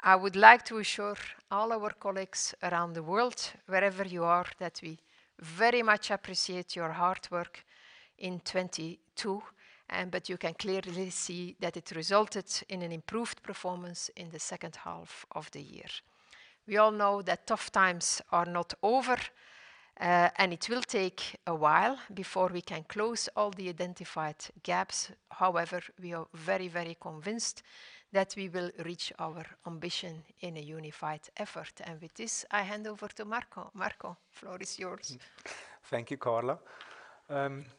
Speaker 3: I would like to assure all our colleagues around the world, wherever you are, that we very much appreciate your hard work in 2022, you can clearly see that it resulted in an improved performance in the second half of the year. We all know that tough times are not over, it will take a while before we can close all the identified gaps. However, we are very, very convinced that we will reach our ambition in a unified effort. With this, I hand over to Marco. Marco, floor is yours.
Speaker 1: Thank you, Carla.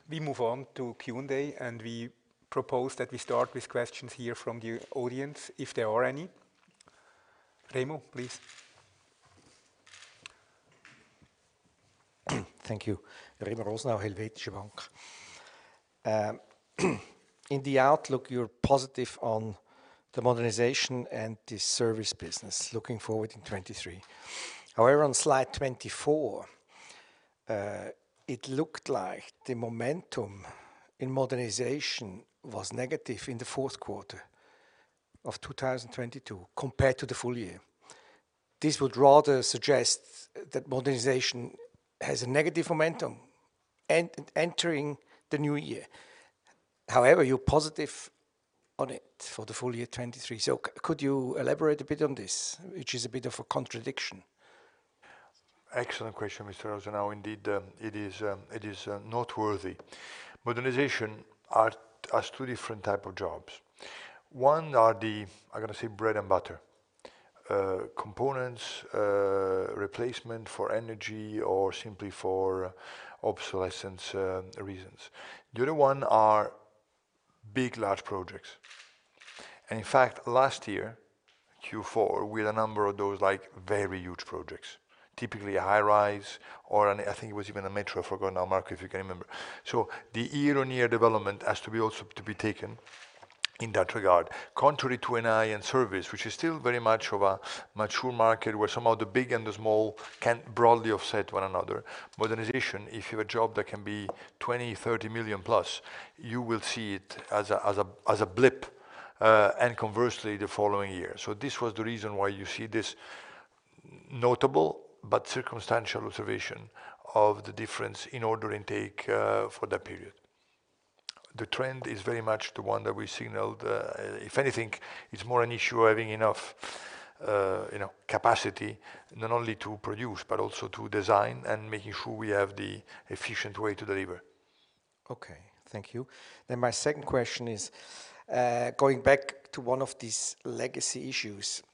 Speaker 1: We move on to Q&A, and we propose that we start with questions here from the audience, if there are any. Remo, please.
Speaker 4: Thank you. Remo Rosenau, Helvetische Bank. In the outlook, you're positive on the modernization and the service business looking forward in 2023. However, on slide 24, it looked like the momentum in modernization was negative in the fourth quarter of 2022 compared to the full year. This would rather suggest that modernization has a negative momentum entering the new year. However, you're positive on it for the full year 2023. Could you elaborate a bit on this, which is a bit of a contradiction?
Speaker 2: Excellent question, Mr. Rosenau. Indeed, it is noteworthy. Modernization has two different type of jobs. One are the, I'm gonna say, bread and butter, components, replacement for energy or simply for obsolescence, reasons. The other one are big, large projects. In fact, last year, Q4, we had a number of those, like, very huge projects, typically a high rise or I think it was even a metro. I forgot now, Marco, if you can remember. The year-on-year development has to be also to be taken in that regard. Contrary to NI in service, which is still very much of a mature market where somehow the big and the small can broadly offset one another. Modernization, if you have a job that can be 20 million, 30 million plus, you will see it as a blip, and conversely the following year. This was the reason why you see this notable but circumstantial observation of the difference in order intake, for that period. The trend is very much the one that we signaled. If anything, it's more an issue of having enough, you know, capacity not only to produce, but also to design and making sure we have the efficient way to deliver.
Speaker 4: Okay. Thank you. My second question is, going back to one of these legacy issues,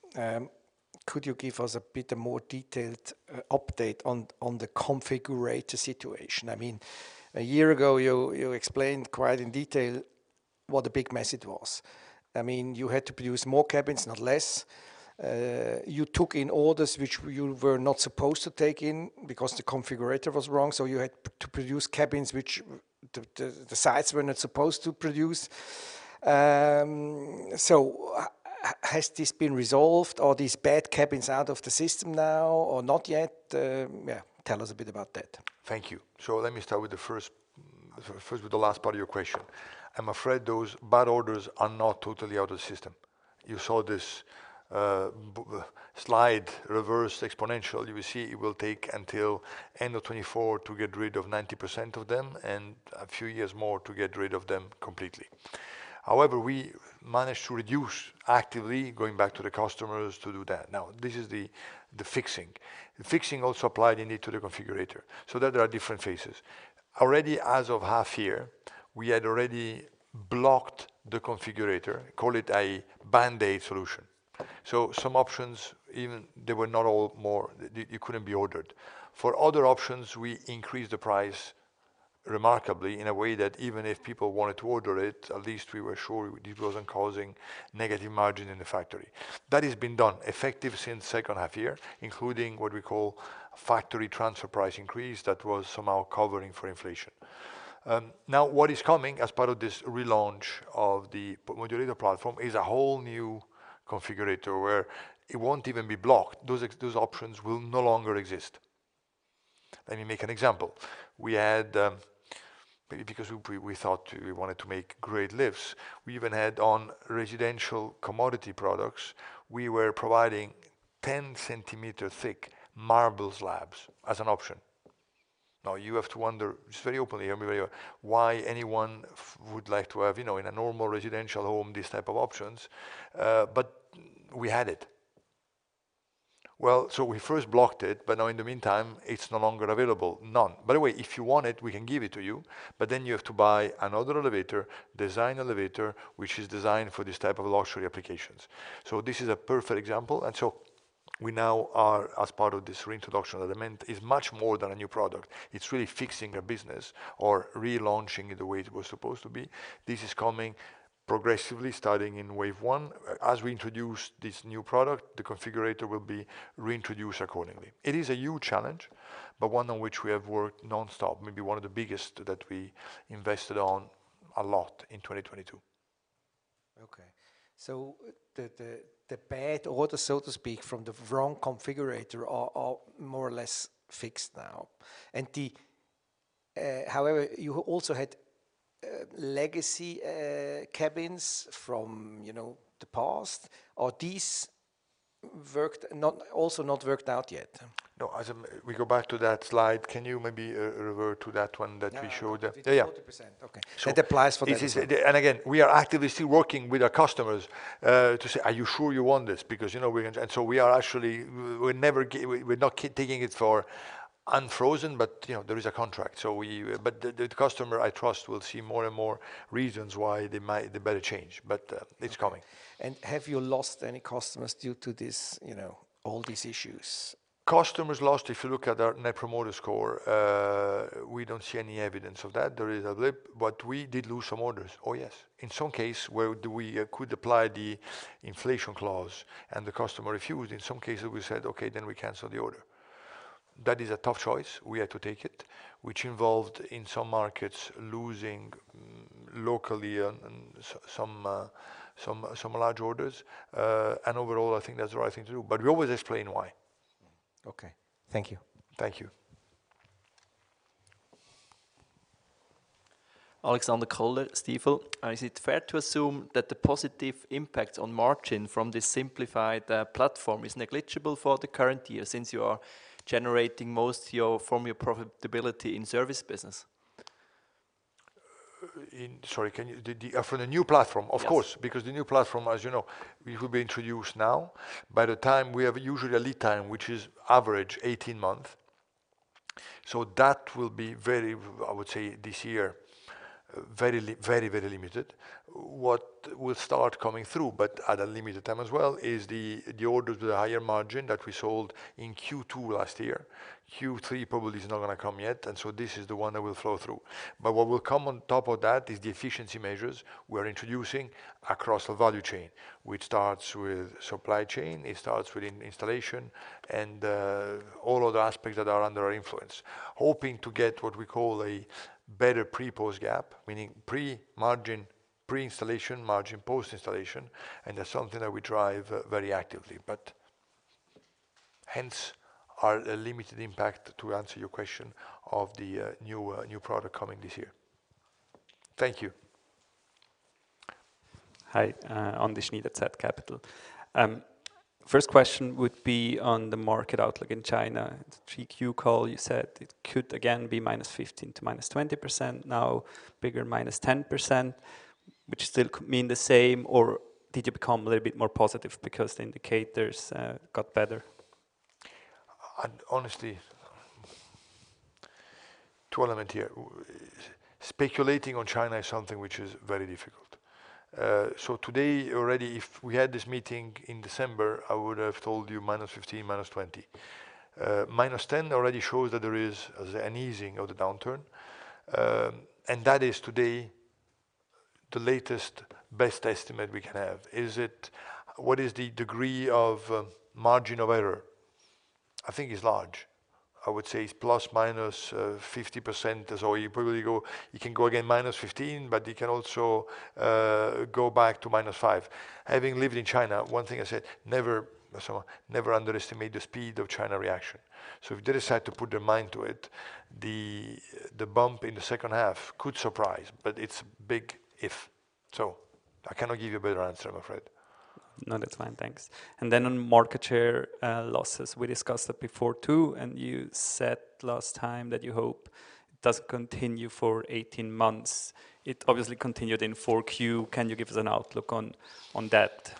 Speaker 4: could you give us a bit more detailed update on the configurator situation? I mean, a year ago, you explained quite in detail what a big mess it was. I mean, you had to produce more cabins, not less. You took in orders which you were not supposed to take in because the configurator was wrong, so you had to produce cabins which the sites were not supposed to produce. Has this been resolved? Are these bad cabins out of the system now or not yet? Yeah, tell us a bit about that.
Speaker 2: Thank you. Let me start with the first with the last part of your question. I'm afraid those bad orders are not totally out of the system. You saw this b-slide reverse exponential. You will see it will take until end of 2024 to get rid of 90% of them and a few years more to get rid of them completely. However, we managed to reduce actively going back to the customers to do that. Now, this is the fixing. Fixing also applied indeed to the configurator. There are different phases. Already as of half year, we had already blocked the configurator, call it a band-aid solution. Some options even they were not all more. They couldn't be ordered. For other options, we increased the price remarkably in a way that even if people wanted to order it, at least we were sure it wasn't causing negative margin in the factory. That has been done effective since second half year, including what we call factory transfer price increase that was somehow covering for inflation. Now, what is coming as part of this relaunch of the modular platform is a whole new configurator where it won't even be blocked. Those options will no longer exist. Let me make an example. We had, maybe because we thought we wanted to make great lifts, we even had on residential commodity products, we were providing 10 centimeter thick marble slabs as an option. Now, you have to wonder, just very openly here, maybe why anyone would like to have, you know, in a normal residential home these type of options, but we had it. We first blocked it, but now in the meantime, it's no longer available. None. By the way, if you want it, we can give it to you have to buy another elevator, design elevator, which is designed for this type of luxury applications. This is a perfect example. We now are, as part of this reintroduction that I meant, is much more than a new product. It's really fixing a business or relaunching it the way it was supposed to be. This is coming progressively, starting in wave one. As we introduce this new product, the configurator will be reintroduced accordingly. It is a huge challenge, but one on which we have worked non-stop, maybe one of the biggest that we invested on a lot in 2022.
Speaker 4: Okay. The bad order, so to speak, from the wrong configurator are more or less fixed now. However, you also had legacy cabins from, you know, the past. Are these also not worked out yet?
Speaker 2: No, we go back to that slide. Can you maybe revert to that one that we showed?
Speaker 4: Yeah.
Speaker 2: There, yeah.
Speaker 4: 40%. Okay.
Speaker 2: So-
Speaker 4: It applies for that as well.
Speaker 2: Again, we are actively still working with our customers to say, "Are you sure you want this?" We are actually, we're not taking it for unfrozen, but, you know, there is a contract. The customer, I trust, will see more and more reasons why they better change. It's coming.
Speaker 4: Have you lost any customers due to this, you know, all these issues?
Speaker 2: Customers lost, if you look at our Net Promoter Score, we don't see any evidence of that. There is a blip, but we did lose some orders. Oh, yes. In some case, where we could apply the inflation clause, and the customer refused. In some cases, we said, "Okay, then we cancel the order." That is a tough choice. We had to take it, which involved, in some markets, losing locally on some large orders. Overall, I think that's the right thing to do. We always explain why.
Speaker 4: Okay. Thank you.
Speaker 2: Thank you.
Speaker 5: Alexander Koller, Stifel. Is it fair to assume that the positive impact on margin from this simplified platform is negligible for the current year, since you are generating most from your profitability in service business?
Speaker 2: Sorry, The from the new platform?
Speaker 5: Yes.
Speaker 2: Because the new platform, as you know, it will be introduced now. We have usually a lead time, which is average 18 months. That will be very, I would say, this year, very, very limited. What will start coming through, but at a limited time as well, is the orders with the higher margin that we sold in Q2 last year. Q3 probably is not gonna come yet, this is the one that will flow through. What will come on top of that is the efficiency measures we're introducing across the value chain, which starts with supply chain, it starts with in-installation, all other aspects that are under our influence, hoping to get what we call a better pre-post gap, meaning pre-margin, pre-installation margin, post-installation. That's something that we drive very actively. Hence, are a limited impact, to answer your question, of the new new product coming this year. Thank you.
Speaker 6: Hi. André Schneider at Schneider Capital Group. First question would be on the market outlook in China. 3Q call, you said it could again be -15% to -20%. Now bigger -10%, which still could mean the same, or did you become a little bit more positive because the indicators got better?
Speaker 2: Honestly, two element here. Speculating on China is something which is very difficult. Today, already, if we had this meeting in December, I would have told you -15%, -20%. -10% already shows that there is an easing of the downturn, and that is today the latest, best estimate we can have. What is the degree of margin of error? I think it's large. I would say it's plus minus 50% or so. You can go again -15%, but you can also go back to -5%. Having lived in China, one thing I said, never underestimate the speed of China reaction. If they decide to put their mind to it, the bump in the second half could surprise, but it's big if. I cannot give you a better answer, I'm afraid.
Speaker 6: No, that's fine. Thanks. On market share losses, we discussed that before too. You said last time that you hope it doesn't continue for 18 months. It obviously continued in 4Q. Can you give us an outlook on that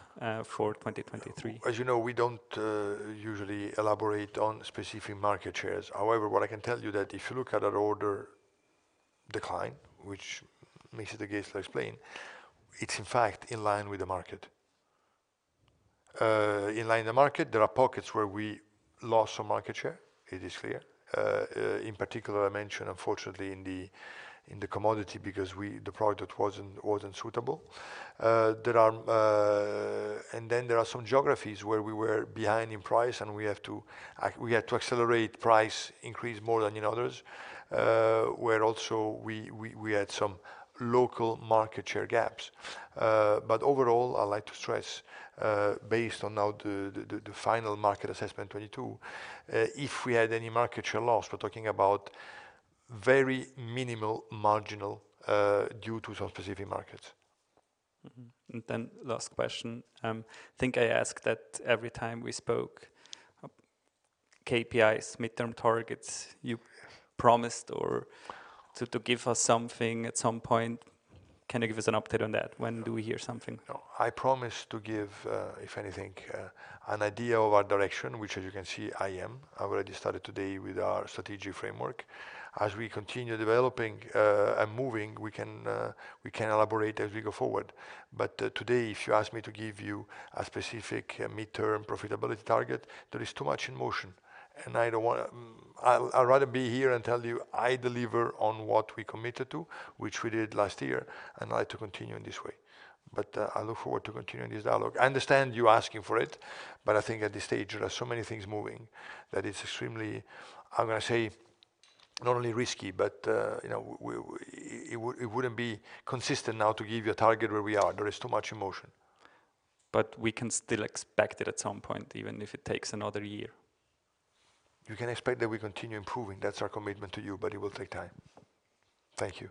Speaker 6: for 2023?
Speaker 2: As you know, we don't usually elaborate on specific market shares. However, what I can tell you that if you look at our order decline, which Mr. Geisler explained, it's in fact in line with the market. In line with the market, there are pockets where we lost some market share, it is clear. In particular, I mentioned unfortunately in the commodity because the product wasn't suitable. There are some geographies where we were behind in price, and we had to accelerate price increase more than in others, where also we had some local market share gaps. Overall, I'd like to stress, based on now the final market assessment 22, if we had any market share loss, we're talking about very minimal marginal, due to some specific markets.
Speaker 6: Last question. I think I asked that every time we spoke. KPIs, midterm targets, you promised or to give us something at some point. Can you give us an update on that? When do we hear something?
Speaker 2: No, I promise to give, if anything, an idea of our direction, which as you can see, I am. I've already started today with our strategic framework. As we continue developing, and moving, we can, we can elaborate as we go forward. Today, if you ask me to give you a specific midterm profitability target, there is too much in motion, and I don't wanna. I'd rather be here and tell you I deliver on what we committed to, which we did last year, and I like to continue in this way. I look forward to continuing this dialogue. I understand you asking for it, but I think at this stage there are so many things moving that it's extremely, how can I say, not only risky, but, you know, it wouldn't be consistent now to give you a target where we are. There is too much in motion.
Speaker 6: We can still expect it at some point, even if it takes another year.
Speaker 2: You can expect that we continue improving. That's our commitment to you, but it will take time. Thank you.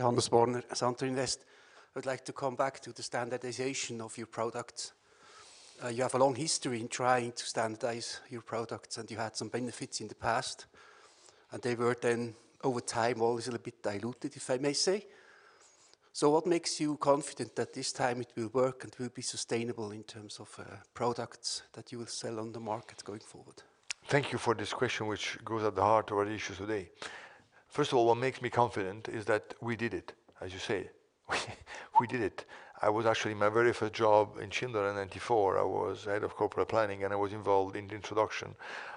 Speaker 7: I would like to come back to the standardization of your products. You have a long history in trying to standardize your products, and you had some benefits in the past, and they were then over time, always a little bit diluted, if I may say. What makes you confident that this time it will work and will be sustainable in terms of products that you will sell on the market going forward?
Speaker 2: Thank you for this question which goes at the heart of our issue today. What makes me confident is that we did it, as you say. We did it. I was actually, my very first job in Schindler in 1994, I was head of corporate planning, and I was involved in the introduction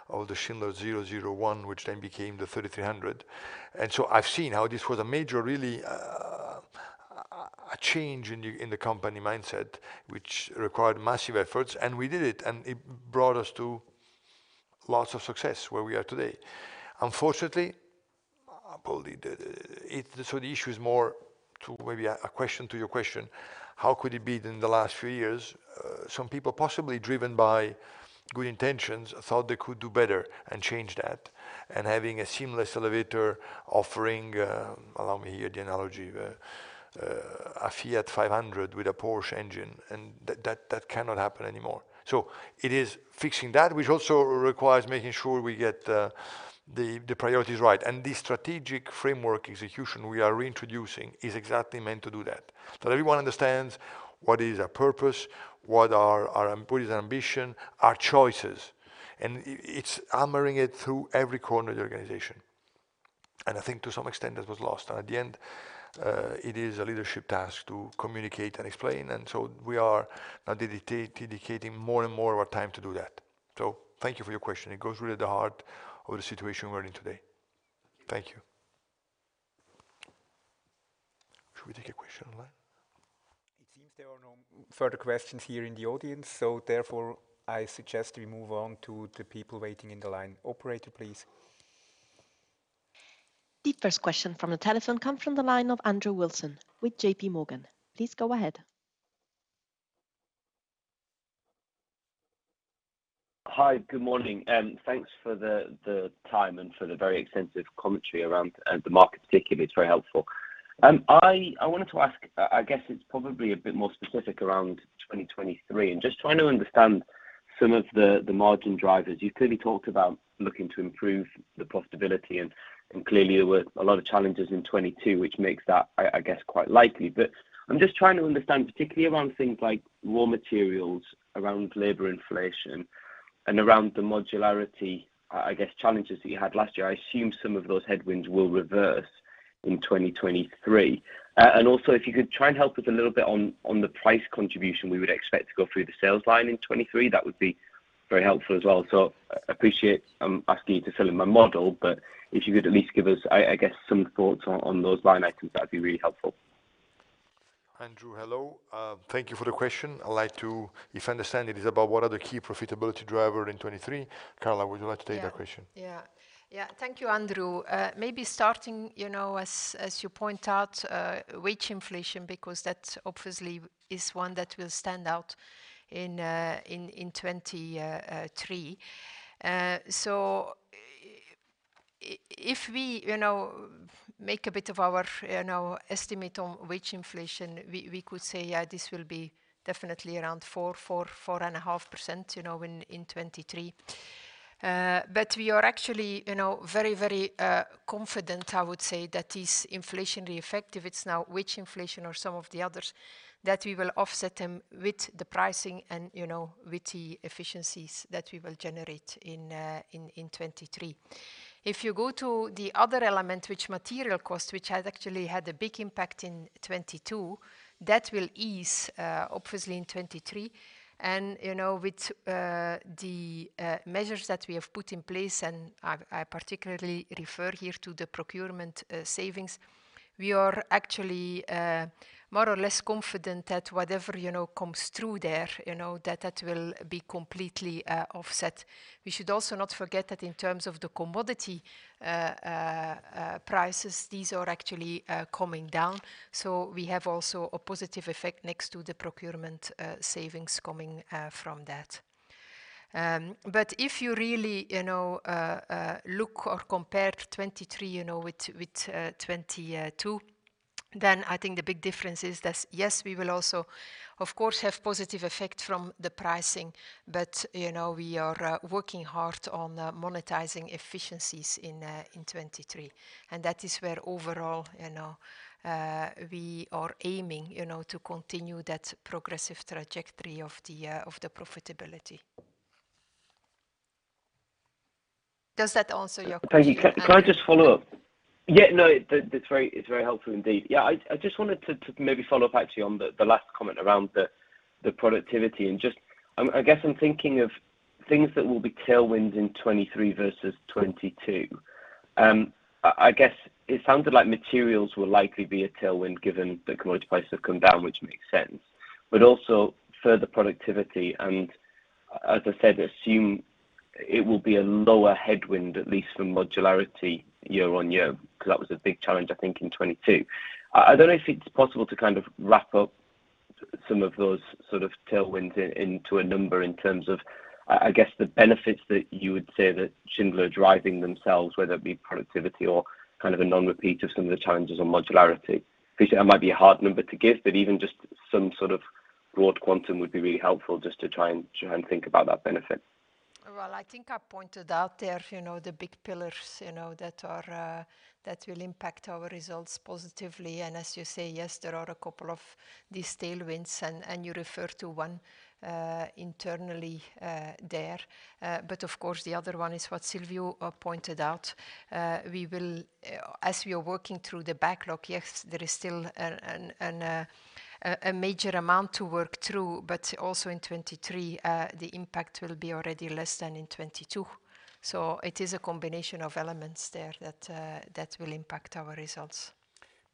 Speaker 2: of the Schindler Smart 001, which then became the Schindler 3300. I've seen how this was a major really, a change in the, in the company mindset, which required massive efforts, and we did it, and it brought us to lots of success where we are today. Unfortunately, probably the, it... The issue is more to maybe a question to your question, how could it be that in the last few years, some people possibly driven by good intentions thought they could do better and change that, and having a seamless elevator offering, allow me here the analogy, a Fiat 500 with a Porsche engine, and that cannot happen anymore. It is fixing that which also requires making sure we get the priorities right. The strategic framework execution we are reintroducing is exactly meant to do that, so everyone understands what is our purpose, what is our ambition, our choices, and it's hammering it through every corner of the organization. I think to some extent that was lost. At the end, it is a leadership task to communicate and explain. We are now dedicating more and more of our time to do that. Thank you for your question. It goes really at the heart of the situation we're in today. Thank you. Should we take a question online?
Speaker 1: It seems there are no further questions here in the audience, so therefore I suggest we move on to the people waiting in the line. Operator, please.
Speaker 8: The first question from the telephone come from the line of Andrew Wilson with JP MorganPlease go ahead.
Speaker 9: Hi. Good morning. Thanks for the time and for the very extensive commentary around the market particularly. It's very helpful. I wanted to ask, I guess it's probably a bit more specific around 2023 and just trying to understand some of the margin drivers. You clearly talked about looking to improve the profitability and clearly there were a lot of challenges in 2022, which makes that, I guess, quite likely. I'm just trying to understand particularly around things like raw materials, around labor inflation, and around the modularity, I guess, challenges that you had last year. I assume some of those headwinds will reverse in 2023. Also if you could try and help us a little bit on the price contribution we would expect to go through the sales line in 2023, that would be very helpful as well. Appreciate I'm asking you to fill in my model, but if you could at least give us, I guess, some thoughts on those line items, that'd be really helpful.
Speaker 2: Andrew, hello. Thank you for the question. If I understand it is about what are the key profitability driver in 23. Carla, would you like to take that question?
Speaker 3: Yeah. Yeah. Yeah. Thank you, Andrew. Maybe starting, you know, as you point out, wage inflation because that obviously is one that will stand out in 2023. If we, you know, make a bit of our, you know, estimate on wage inflation, we could say, yeah, this will be definitely around 4%-4.5%, you know, in 2023. We are actually, you know, very, very confident, I would say that this inflationary effect, if it's now wage inflation or some of the others, that we will offset them with the pricing and, you know, with the efficiencies that we will generate in 2023. If you go to the other element, which material cost, which has actually had a big impact in 2022, that will ease, obviously in 2023. You know, with the measures that we have put in place, and I particularly refer here to the procurement savings, we are actually more or less confident that whatever, you know, comes through there, you know, that that will be completely offset. We should also not forget that in terms of the commodity prices, these are actually coming down, so we have also a positive effect next to the procurement savings coming from that. If you really, you know, look or compare 2023, you know, with, 2022. I think the big difference is that yes, we will also of course have positive effect from the pricing, but, you know, we are working hard on monetizing efficiencies in 2023. That is where overall, you know, we are aiming, you know, to continue that progressive trajectory of the profitability. Does that answer your question?
Speaker 9: Thank you. Can I just follow up? Yeah, no, it's very helpful indeed. Yeah, I just wanted to maybe follow up actually on the last comment around the productivity and just I guess I'm thinking of things that will be tailwinds in 2023 versus 2022. I guess it sounded like materials will likely be a tailwind given the commodity prices have come down, which makes sense. Also further productivity, and as I said, assume it will be a lower headwind, at least from modularity year-on-year, 'cause that was a big challenge I think in 2022. I don't know if it's possible to kind of wrap up some of those sort of tailwinds into a number in terms of, I guess the benefits that you would say that Schindler are driving themselves, whether it be productivity or kind of a non-repeat of some of the challenges on modularity. Appreciate that might be a hard number to give, but even just some sort of broad quantum would be really helpful just to try and think about that benefit.
Speaker 3: Well, I think I pointed out there, you know, the big pillars, you know, that are, that will impact our results positively. As you say, yes, there are a couple of these tailwinds and you refer to one, internally, there. Of course, the other one is what Silvio pointed out. As we are working through the backlog, yes, there is still a major amount to work through, but also in 2023, the impact will be already less than in 2022. It is a combination of elements there that will impact our results.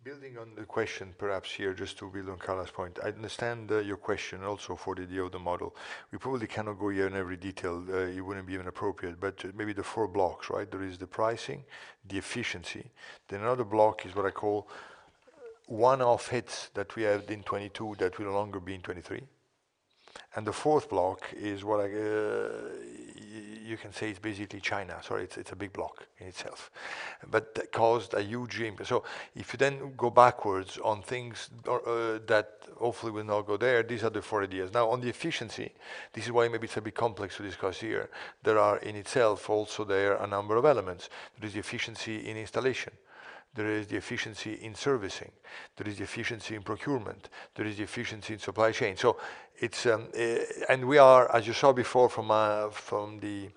Speaker 2: Building on the question perhaps here, just to build on Carla's point. I understand, your question also for the year of the model. We probably cannot go here in every detail. It wouldn't be even appropriate, but maybe the four blocks, right? There is the pricing, the efficiency. Another block is what I call one-off hits that we had in 2022 that will no longer be in 2023. The fourth block is what I, you can say it's basically China. Sorry, it's a big block in itself, but that caused a huge impact. If you then go backwards on things, that hopefully will not go there, these are the four ideas. On the efficiency, this is why maybe it's a bit complex to discuss here. There are in itself also there are a number of elements. There is the efficiency in installation. There is the efficiency in servicing. There is the efficiency in procurement. There is the efficiency in supply chain. It's. We are, as you saw before from the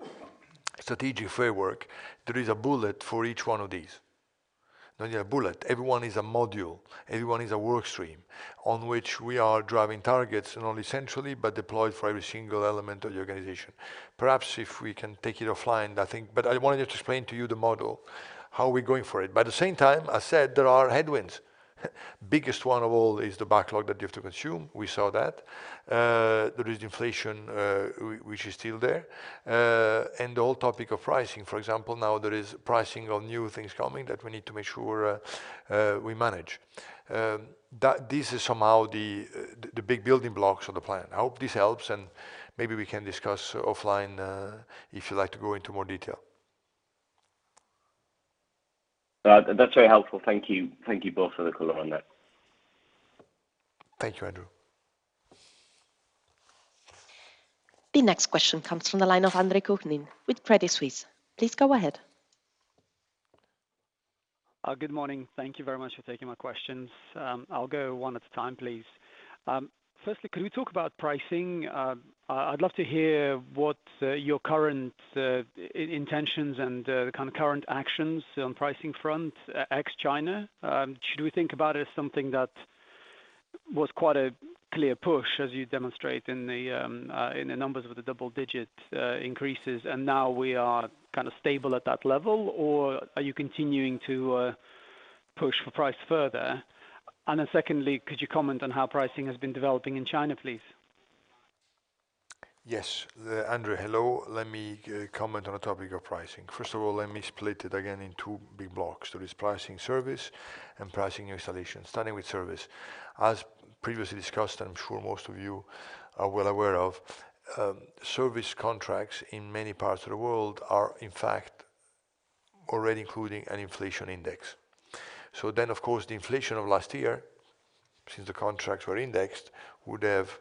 Speaker 2: strategic framework, there is a bullet for each one of these. Not only a bullet, every one is a module, every one is a work stream on which we are driving targets, not only centrally, but deployed for every single element of the organization. Perhaps if we can take it offline, I think. I wanted to explain to you the model, how we're going for it. At the same time, I said there are headwinds. Biggest one of all is the backlog that you have to consume. We saw that. There is inflation, which is still there. The whole topic of pricing, for example, now there is pricing on new things coming that we need to make sure we manage. This is somehow the big building blocks of the plan. I hope this helps, and maybe we can discuss offline if you'd like to go into more detail.
Speaker 9: That's very helpful. Thank you. Thank you both for the color on that.
Speaker 2: Thank you, Andrew.
Speaker 8: The next question comes from the line of Andre Kukhnin with Credit Suisse. Please go ahead.
Speaker 10: Good morning. Thank you very much for taking my questions. I'll go one at a time, please. Firstly, can we talk about pricing? I'd love to hear what your current intentions and kind of current actions on pricing front ex China. Should we think about it as something that was quite a clear push, as you demonstrate in the numbers with the double digit increases, and now we are kind of stable at that level? Or are you continuing to push for price further? Secondly, could you comment on how pricing has been developing in China, please?
Speaker 2: Yes. Andre, hello. Let me comment on the topic of pricing. First of all, let me split it again in two big blocks. There is pricing service and pricing installation. Starting with service. As previously discussed, I'm sure most of you are well aware of, service contracts in many parts of the world are in fact already including an inflation index. Of course, the inflation of last year, since the contracts were indexed, would have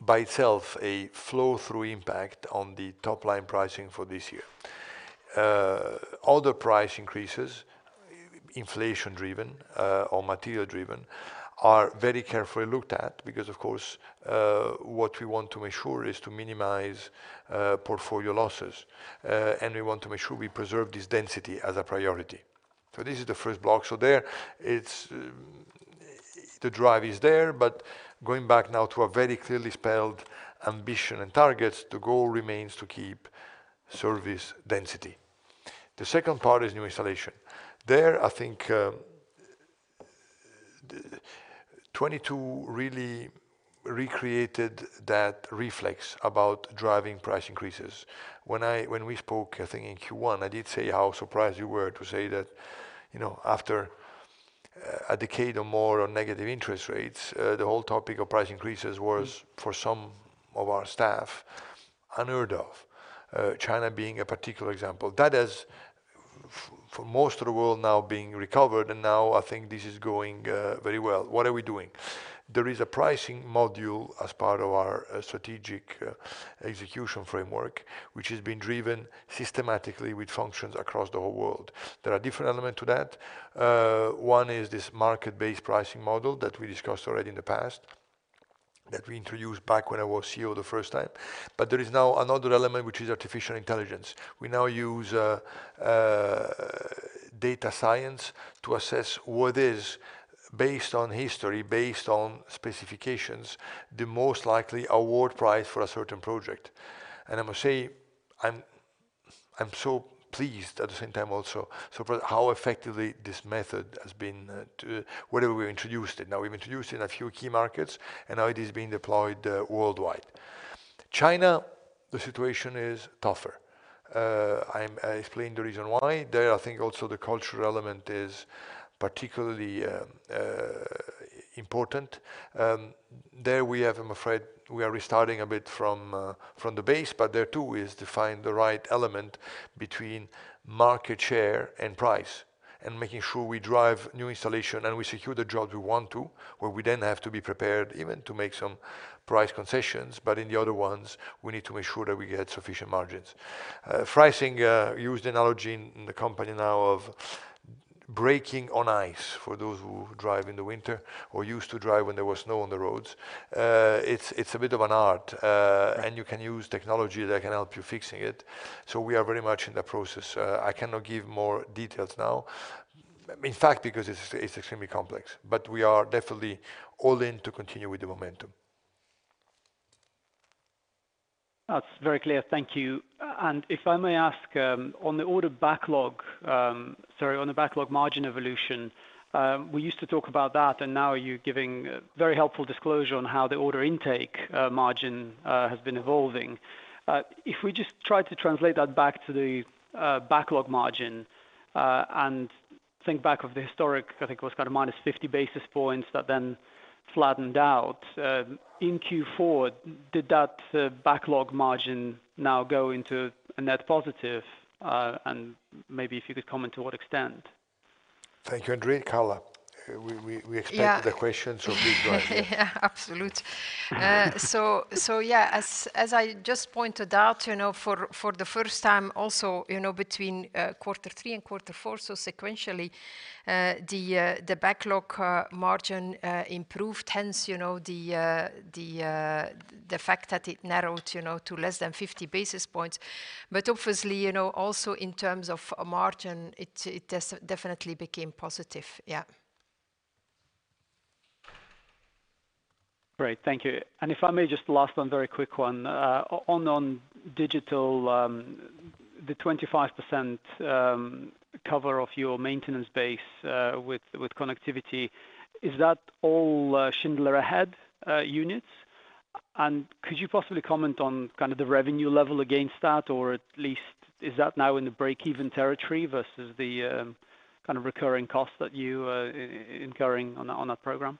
Speaker 2: by itself a flow-through impact on the top line pricing for this year. Other price increases, inflation-driven, or material-driven, are very carefully looked at because of course, what we want to ensure is to minimize portfolio losses. We want to make sure we preserve this density as a priority. This is the first block. The drive is there, but going back now to a very clearly spelled ambition and targets, the goal remains to keep service density. The second part is new installation. There, I think, 2022 really recreated that reflex about driving price increases. When we spoke, I think in Q1, I did say how surprised you were to say that, you know, after a decade or more on negative interest rates, the whole topic of price increases was for some of our staff unheard of. China being a particular example. That has for most of the world now being recovered, and now I think this is going very well. What are we doing? There is a pricing module as part of our strategic execution framework, which is being driven systematically with functions across the whole world. There are different element to that. 1 is this market-based pricing model that we discussed already in the past, that we introduced back when I was CEO the first time. There is now another element, which is artificial intelligence. We now use data science to assess what is, based on history, based on specifications, the most likely award price for a certain project. I must say, I'm so pleased at the same time also for how effectively this method has been to wherever we introduced it. We've introduced in a few key markets, and now it is being deployed worldwide. China, the situation is tougher. I explained the reason why. There, I think also the cultural element is particularly important. There we have, I'm afraid, we are restarting a bit from the base, but there too is to find the right element between market share and price, and making sure we drive new installation and we secure the jobs we want to, where we then have to be prepared even to make some price concessions. In the other ones, we need to make sure that we get sufficient margins. Pricing, used analogy in the company now of breaking on ice, for those who drive in the winter or used to drive when there was snow on the roads. It's, it's a bit of an art, and you can use technology that can help you fixing it. We are very much in the process. I cannot give more details now, in fact, because it's extremely complex. We are definitely all in to continue with the momentum.
Speaker 10: That's very clear. Thank you. If I may ask, on the backlog margin evolution, we used to talk about that, and now you're giving very helpful disclosure on how the order intake margin has been evolving. If we just try to translate that back to the backlog margin and think back of the historic, I think it was kind of minus 50 basis points that then flattened out in Q4, did that backlog margin now go into a net positive? Maybe if you could comment to what extent.
Speaker 2: Thank you, Andrew. Carla.
Speaker 3: Yeah.
Speaker 2: expect the question, please go ahead.
Speaker 3: Yeah, absolute. Yeah, as I just pointed out, you know, for the first time also, you know, between quarter three and quarter four, sequentially, the backlog margin improved, hence, you know, the fact that it narrowed, you know, to less than 50 basis points. Obviously, you know, also in terms of margin, it definitely became positive. Yeah.
Speaker 10: Great. Thank you. If I may just last one very quick one. On digital, the 25% cover of your maintenance base, with connectivity, is that all Schindler Ahead units? Could you possibly comment on kind of the revenue level against that, or at least is that now in the break-even territory versus the kind of recurring costs that you incurring on that program?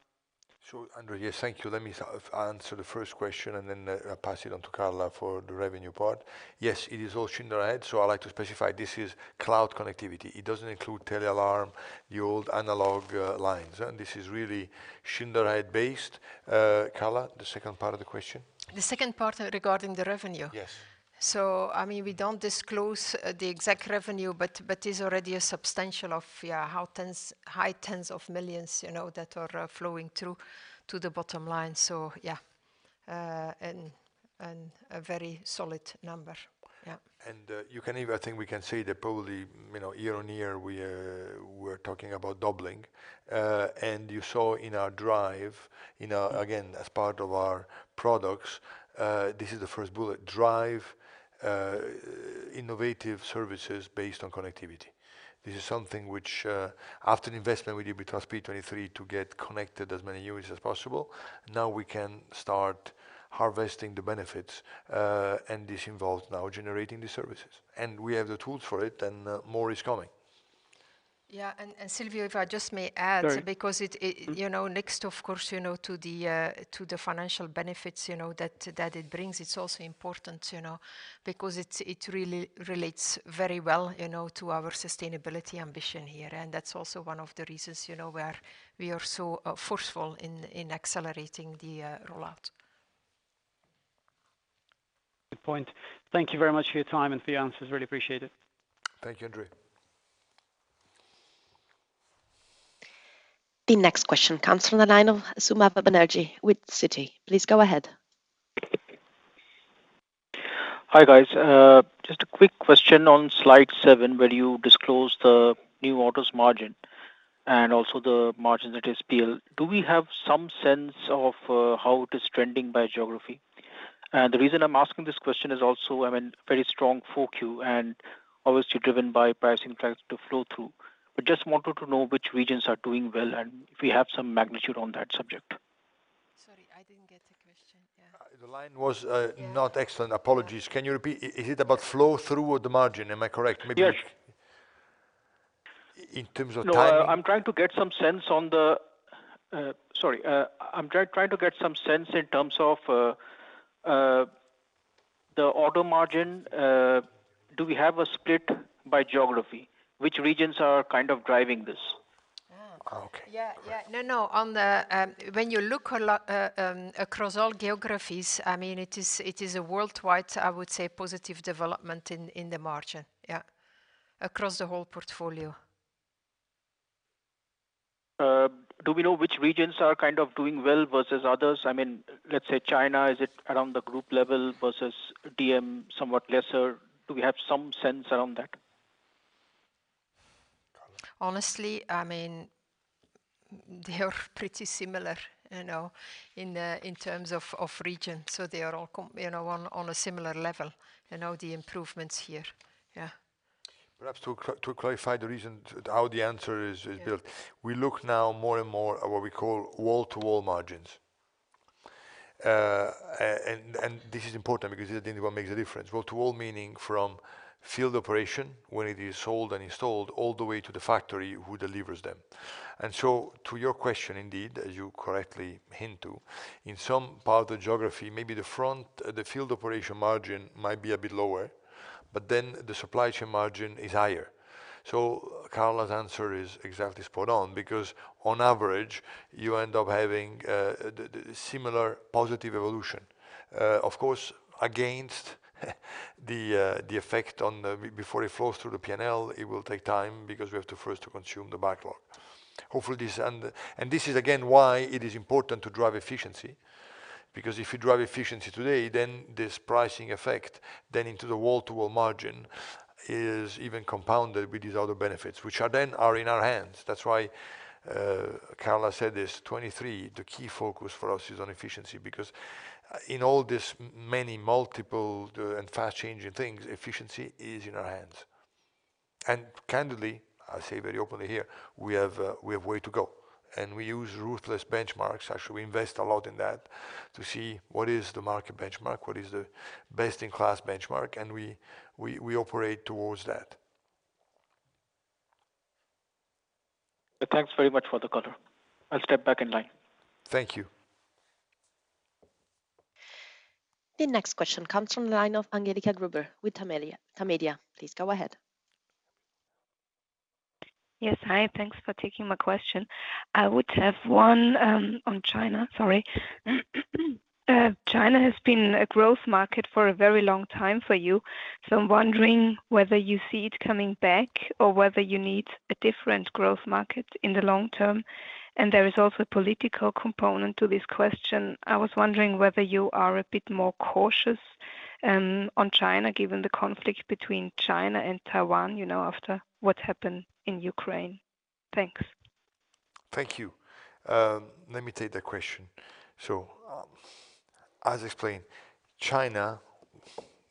Speaker 2: Andrew, yes, thank you. Let me answer the first question and then pass it on to Carla for the revenue part. Yes, it is all Schindler Ahead. I'd like to specify this is cloud connectivity. It doesn't include TeleAlarm, the old analog lines. This is really Schindler Ahead based. Carla, the second part of the question.
Speaker 3: The second part regarding the revenue?
Speaker 2: Yes.
Speaker 3: I mean, we don't disclose the exact revenue, but it's already a substantial of, yeah, CHF high tens of millions, you know, that are flowing through to the bottom line. Yeah. And a very solid number. Yeah.
Speaker 2: You can even think, we can see that probably, you know, year on year we're talking about doubling. You saw in our drive, in our, again, as part of our products, this is the first bullet, drive, innovative services based on connectivity. This is something which, after the investment we did between P 2023 to get connected as many units as possible, now we can start harvesting the benefits, and this involves now generating the services. We have the tools for it and more is coming.
Speaker 3: Yeah. Silvio, if I just may add-
Speaker 2: Sorry.
Speaker 3: because it, you know, next of course, you know, to the financial benefits, you know, that it brings, it's also important, you know, because it really relates very well, you know, to our sustainability ambition here. That's also one of the reasons, you know, we are so forceful in accelerating the rollout.
Speaker 10: Good point. Thank you very much for your time and for your answers. Really appreciate it.
Speaker 2: Thank you, Andrew.
Speaker 8: The next question comes from the line of Supriya Banerjee with Citi. Please go ahead.
Speaker 11: Hi, guys. Just a quick question on slide seven, where you disclose the new orders margin and also the margin that is PL. Do we have some sense of how it is trending by geography? The reason I'm asking this question is also, I mean, very strong for Q and obviously driven by pricing trends to flow through. Just wanted to know which regions are doing well and if we have some magnitude on that subject.
Speaker 3: Sorry, I didn't get the question. Yeah.
Speaker 2: The line was not excellent. Apologies. Can you repeat? Is it about flow through or the margin? Am I correct?
Speaker 11: Yes
Speaker 2: In terms of timing?
Speaker 11: Sorry, I'm trying to get some sense in terms of the auto margin. Do we have a split by geography? Which regions are kind of driving this?
Speaker 2: Okay.
Speaker 3: No, on the, when you look across all geographies, I mean, it is, it is a worldwide, I would say, positive development in the margin, yeah, across the whole portfolio.
Speaker 11: Do we know which regions are kind of doing well versus others? I mean, let's say China, is it around the group level versus DM somewhat lesser? Do we have some sense around that?
Speaker 3: Honestly, I mean, they are pretty similar, you know, in terms of region. They are all, you know, on a similar level, you know, the improvements here. Yeah.
Speaker 2: Perhaps to clarify the reason how the answer is built.
Speaker 3: Yeah.
Speaker 2: We look now more and more at what we call wall-to-wall margins. This is important because this is what makes the difference. Wall-to-wall meaning from field operation, when it is sold and installed, all the way to the factory who delivers them. To your question, indeed, as you correctly hint to, in some part of the geography, maybe the front, the field operation margin might be a bit lower, but then the supply chain margin is higher. Carla's answer is exactly spot on, because on average, you end up having the similar positive evolution. Of course, against the effect on before it flows through the P&L, it will take time because we have to first to consume the backlog. Hopefully this... This is again why it is important to drive efficiency. If you drive efficiency today, then this pricing effect then into the wall-to-wall margin is even compounded with these other benefits, which are then are in our hands. That's why, Carla said this 2023, the key focus for us is on efficiency, because in all this many multiple, and fast-changing things, efficiency is in our hands. Candidly, I say very openly here, we have way to go. We use ruthless benchmarks, actually. We invest a lot in that to see what is the market benchmark, what is the best-in-class benchmark, and we operate towards that.
Speaker 11: Thanks very much for the color. I'll step back in line.
Speaker 2: Thank you.
Speaker 8: The next question comes from the line of Angelika Gruber with Tamedia. Please go ahead.
Speaker 12: Yes. Hi, thanks for taking my question. I would have one on China. Sorry. China has been a growth market for a very long time for you, I'm wondering whether you see it coming back or whether you need a different growth market in the long term. There is also a political component to this question. I was wondering whether you are a bit more cautious on China, given the conflict between China and Taiwan, you know, after what happened in Ukraine. Thanks.
Speaker 2: Thank you. Let me take that question. As explained, China,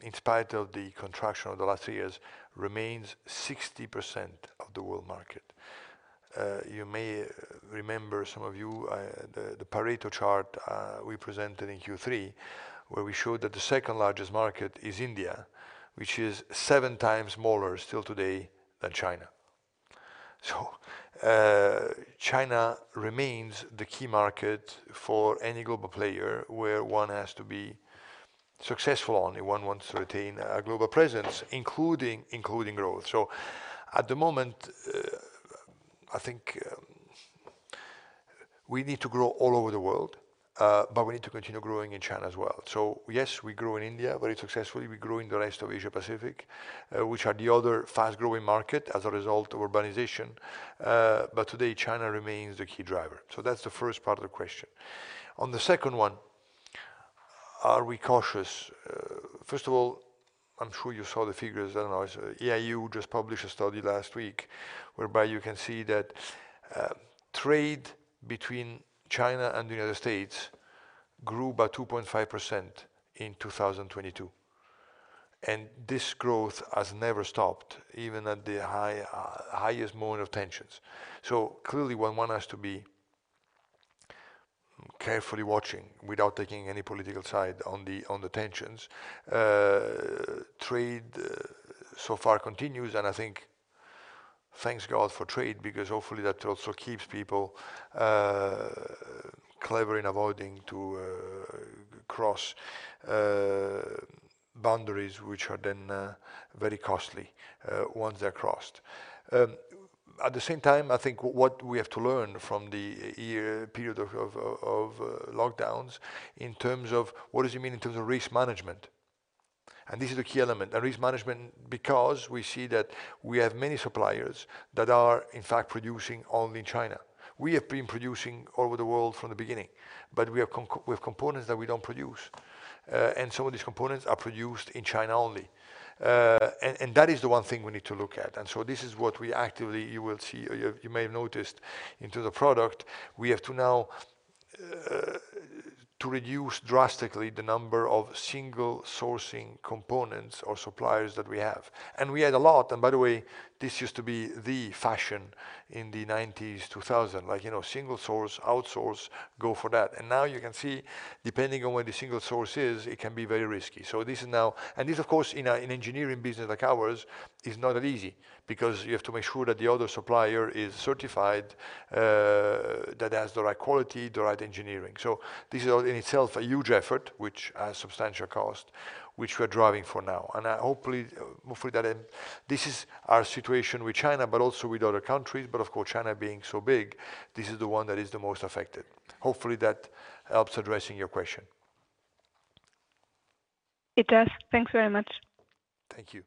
Speaker 2: in spite of the contraction of the last three years, remains 60% of the world market. You may remember, some of you, the Pareto chart we presented in Q3, where we showed that the second-largest market is India, which is seven times smaller still today than China. China remains the key market for any global player, where one has to be successful only. One wants to retain a global presence, including growth. At the moment, I think we need to grow all over the world, but we need to continue growing in China as well. Yes, we grow in India very successfully. We grow in the rest of Asia Pacific, which are the other fast-growing market as a result of urbanization. Today, China remains the key driver. That's the first part of the question. On the second one, are we cautious? First of all, I'm sure you saw the figures. I don't know, EIU just published a study last week whereby you can see that trade between China and the United States grew by 2.5% in 2022, and this growth has never stopped, even at the highest moment of tensions. Clearly, one has to be carefully watching without taking any political side on the tensions. Trade so far continues, and I think, thanks God for trade, because hopefully that also keeps people clever in avoiding to cross boundaries, which are then very costly once they're crossed. At the same time, I think what we have to learn from the period of lockdowns in terms of what does it mean in terms of risk management, and this is the key element. The risk management, because we see that we have many suppliers that are, in fact, producing only China. We have been producing all over the world from the beginning, but we have components that we don't produce, and some of these components are produced in China only. And that is the one thing we need to look at. This is what we actively, you will see, or you have, you may have noticed into the product, we have to now to reduce drastically the number of single sourcing components or suppliers that we have. We had a lot, and by the way, this used to be the fashion-In the '90s, 2000. Like, you know, single source, outsource, go for that. Now you can see, depending on where the single source is, it can be very risky. This is now. This of course, in a, in engineering business like ours is not that easy because you have to make sure that the other supplier is certified, that has the right quality, the right engineering. This is all in itself a huge effort, which has substantial cost, which we're driving for now. I hopefully that then this is our situation with China, but also with other countries. Of course, China being so big, this is the one that is the most affected. Hopefully that helps addressing your question.
Speaker 12: It does. Thanks very much.
Speaker 2: Thank you.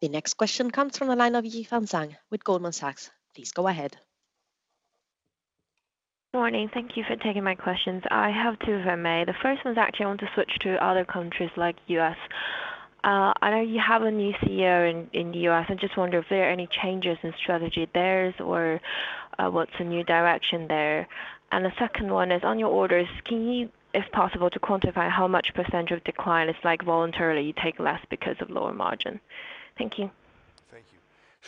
Speaker 8: The next question comes from the line of Xiaomeng Zhang with Goldman Sachs. Please go ahead.
Speaker 13: Morning. Thank you for taking my questions. I have two, if I may. The first one is actually I want to switch to other countries like U.S. I know you have a new CEO in the U.S. I just wonder if there are any changes in strategy there, or, what's the new direction there? The second one is on your orders. Can you, if possible, to quantify how much % of decline is like voluntarily you take less because of lower margin? Thank you.
Speaker 2: Thank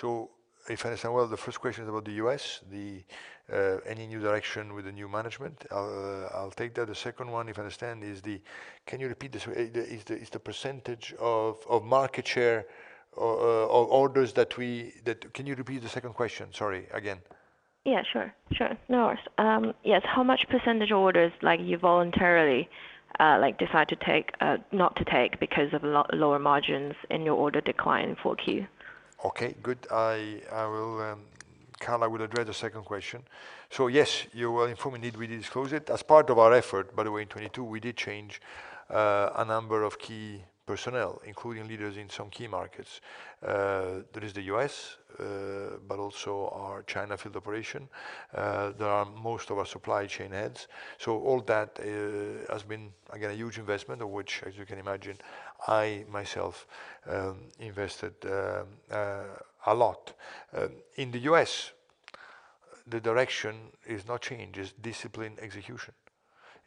Speaker 2: you. If I understand well, the first question is about the U.S., any new direction with the new management. I'll take that. The second one, if I understand. Can you repeat this? Is the percentage of market share or orders? Can you repeat the second question, sorry, again?
Speaker 13: Yeah, sure. No worries. Yes. How much % orders like you voluntarily like decide to take not to take because of lower margins in your order decline in 4Q?
Speaker 2: Okay, good. I will, Carla will address the second question. Yes, you were informed indeed we did disclose it. As part of our effort, by the way, in 2022 we did change a number of key personnel, including leaders in some key markets. That is the U.S., but also our China field operation. There are most of our supply chain heads. All that has been again, a huge investment of which, as you can imagine, I myself invested a lot. In the U.S., the direction is not change, it's discipline execution.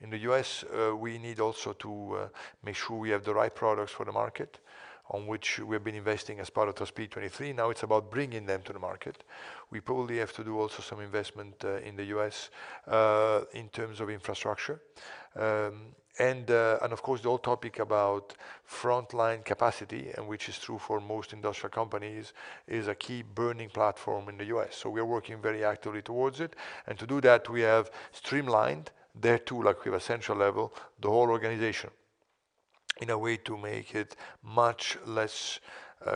Speaker 2: In the U.S., we need also to make sure we have the right products for the market on which we have been investing as part of our Top Speed 23. Now it's about bringing them to the market. o do also some investment in the U.S. in terms of infrastructure. And of course, the whole topic about frontline capacity, which is true for most industrial companies, is a key burning platform in the U.S. So we are working very actively towards it. To do that, we have streamlined there too, like with a central level, the whole organization in a way to make it much less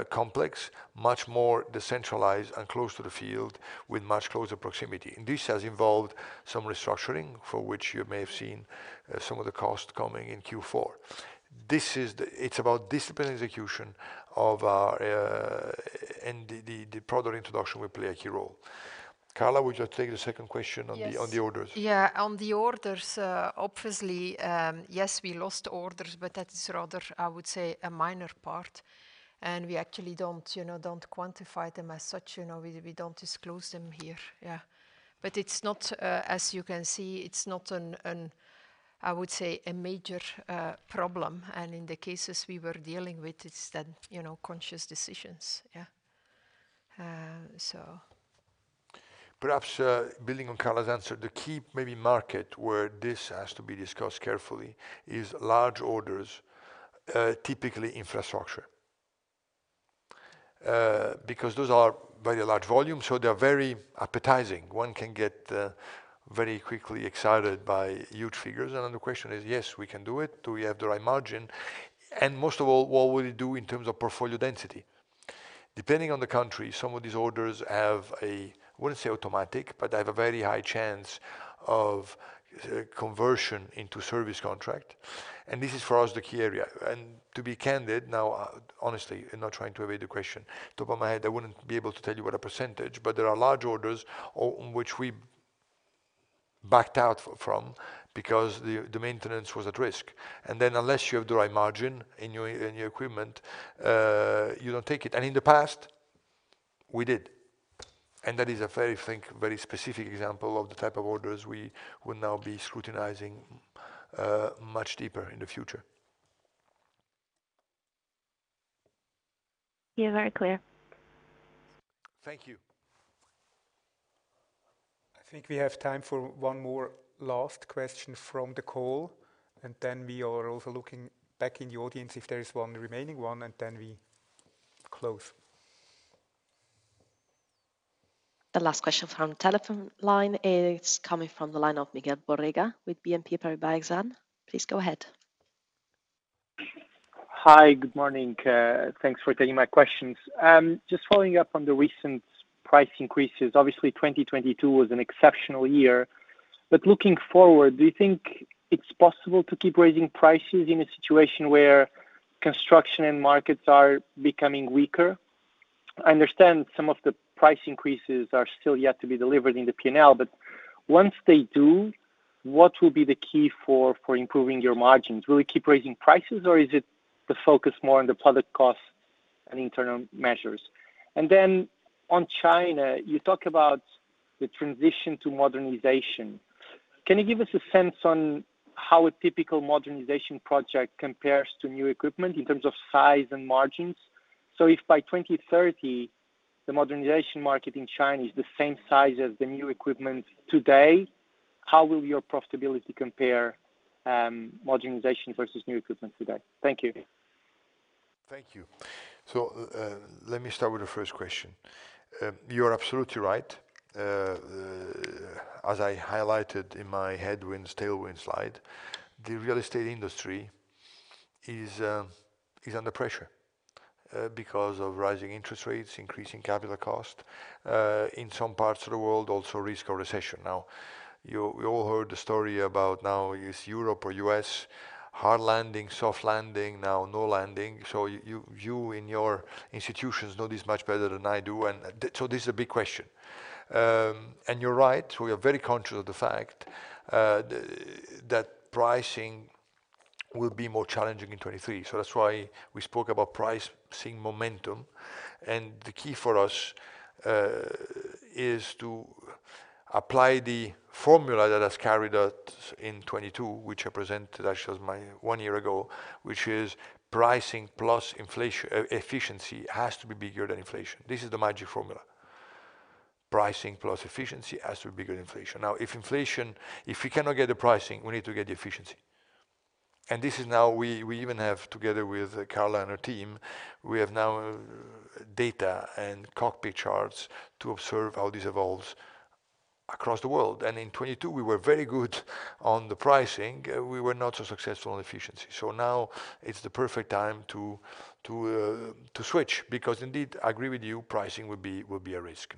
Speaker 2: complex, much more decentralized and close to the field with much closer proximity. This has involved some restructuring for which you may have seen some of the cost coming in Q4. This is the it's about discipline execution of our, and the product introduction will play a key role. Carla, would you take the second question
Speaker 3: Yes.
Speaker 2: On the, on the orders?
Speaker 3: On the orders, obviously, yes, we lost orders, but that is rather, I would say, a minor part and we actually don't, you know, don't quantify them as such. You know, we don't disclose them here. It's not, as you can see, it's not an, I would say a major problem. In the cases we were dealing with, it's then, you know, conscious decisions.
Speaker 2: Perhaps, building on Carla's answer, the key maybe market where this has to be discussed carefully is large orders, typically infrastructure. Because those are very large volumes, so they're very appetizing. One can get very quickly excited by huge figures. Then the question is, yes, we can do it. Do we have the right margin? Most of all, what will it do in terms of portfolio density? Depending on the country, some of these orders have a, I wouldn't say automatic, but have a very high chance of conversion into service contract. This is for us, the key area. To be candid now, honestly, and not trying to evade the question, top of my head, I wouldn't be able to tell you what a percentage, but there are large orders on which we backed out from because the maintenance was at risk. Unless you have the right margin in your, in your equipment, you don't take it. In the past, we did. That is a very, I think, very specific example of the type of orders we will now be scrutinizing much deeper in the future.
Speaker 13: Yeah. Very clear.
Speaker 2: Thank you.
Speaker 1: I think we have time for one more last question from the call. Then we are also looking back in the audience if there is one remaining one. Then we close.
Speaker 8: The last question from the telephone line is coming from the line of Miguel Borrega with BNP Paribas Exane. Please go ahead.
Speaker 14: Hi. Good morning. Thanks for taking my questions. Just following up on the recent price increases. Obviously 2022 was an exceptional year, looking forward, do you think it's possible to keep raising prices in a situation where construction and markets are becoming weaker? I understand some of the price increases are still yet to be delivered in the P&L, once they do, what will be the key for improving your margins? Will it keep raising prices or is it to focus more on the product costs and internal measures? Then on China, you talk about the transition to modernization. Can you give us a sense on how a typical modernization project compares to new equipment in terms of size and margins? If by 2030, the modernization market in China is the same size as the new equipment today, how will your profitability compare, modernization versus new equipment today? Thank you.
Speaker 2: Thank you. Let me start with the first question. You're absolutely right. As I highlighted in my headwinds, tailwinds slide, the real estate industry is under pressure because of rising interest rates, increasing capital cost, in some parts of the world, also risk of recession. Now, we all heard the story about now is Europe or US hard landing, soft landing, now no landing. You, you in your institutions know this much better than I do. This is a big question. You're right. We are very conscious of the fact that pricing will be more challenging in 2023. That's why we spoke about pricing momentum. The key for us is to apply the formula that has carried us in 22, which I presented actually as my 1 year ago, which is pricing plus efficiency has to be bigger than inflation. This is the magic formula. Pricing plus efficiency has to be bigger than inflation. If we cannot get the pricing, we need to get the efficiency. This is now we even have, together with Carla and her team, we have now data and cockpit charts to observe how this evolves across the world. In 22, we were very good on the pricing. We were not so successful on efficiency. Now it's the perfect time to switch, because indeed, I agree with you, pricing will be a risk.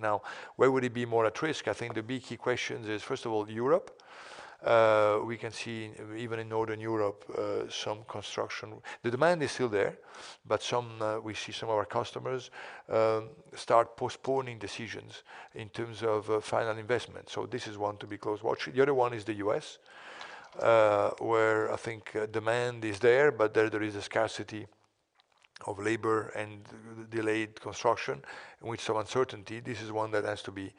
Speaker 2: Where would it be more at risk? I think the big key question is, first of all, Europe. We can see even in Northern Europe, some construction. The demand is still there, but some, we see some of our customers start postponing decisions in terms of final investment. This is one to be close watching. The other one is the U.S., where I think demand is there, but there is a scarcity of labor and delayed construction with some uncertainty. This is one that has to be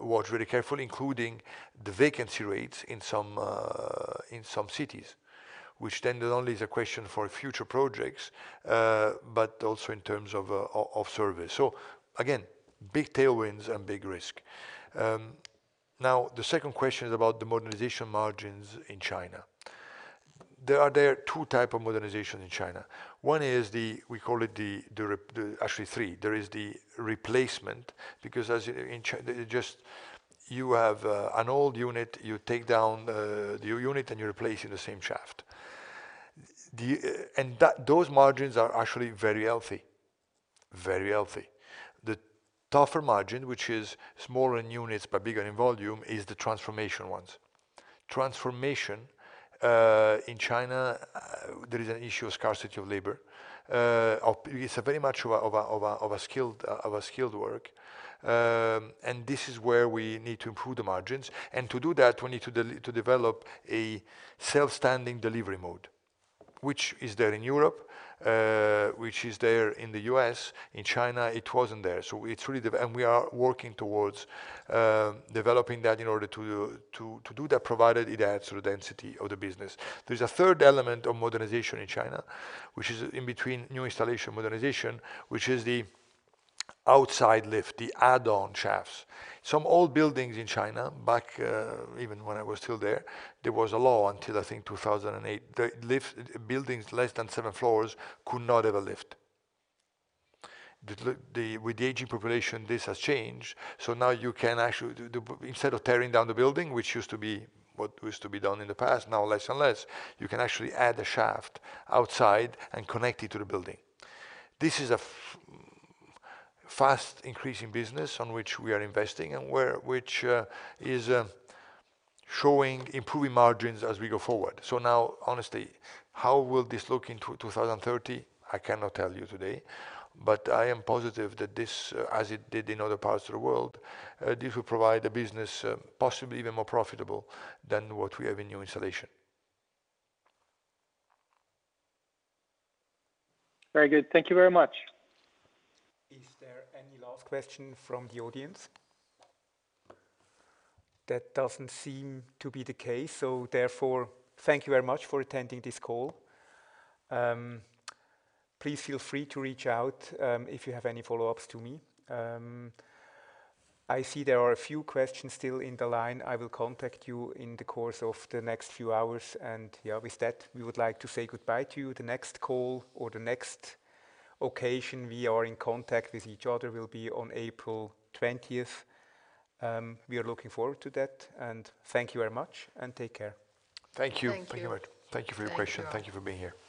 Speaker 2: watched very carefully, including the vacancy rates in some, in some cities, which then not only is a question for future projects, but also in terms of service. Again, big tailwinds and big risk. Now the second question is about the modernization margins in China. There are two type of modernization in China. One is the, we call it the actually three. There is the replacement, because as in China, just you have an old unit, you take down the unit, and you replace it in the same shaft. Those margins are actually very healthy. Very healthy. The tougher margin, which is smaller in units but bigger in volume, is the transformation ones. Transformation, in China, there is an issue of scarcity of labor. It's very much of a skilled work. This is where we need to improve the margins. To do that, we need to develop a self-standing delivery mode, which is there in Europe, which is there in the U.S. In China, it wasn't there. It's really And we are working towards developing that in order to do that, provided it adds to the density of the business. There's a third element of modernization in China, which is in between new installation modernization, which is the outside lift, the add-on shafts. Some old buildings in China, back, even when I was still there was a law until I think 2008, buildings less than seven floors could not have a lift. With the aging population, this has changed. Now you can actually, instead of tearing down the building, which used to be what used to be done in the past, now less and less, you can actually add a shaft outside and connect it to the building. This is a fast increasing business on which we are investing and which is showing improving margins as we go forward. Now, honestly, how will this look in 2030? I cannot tell you today, but I am positive that this, as it did in other parts of the world, this will provide a business possibly even more profitable than what we have in new installation.
Speaker 14: Very good. Thank Thank you very much.
Speaker 1: Is there any last question from the audience? That doesn't seem to be the case, therefore, thank you very much for attending this call. Please feel free to reach out if you have any follow-ups to me. I see there are a few questions still in the line. I will contact you in the course of the next few hours. With that, we would like to say goodbye to you. The next call or the next occasion we are in contact with each other will be on April 20th. We are looking forward to that, thank you very much and take care.
Speaker 2: Thank you.
Speaker 3: Thank you.
Speaker 2: Thank you very much. Thank you for your question. Thank you for being here. Bye.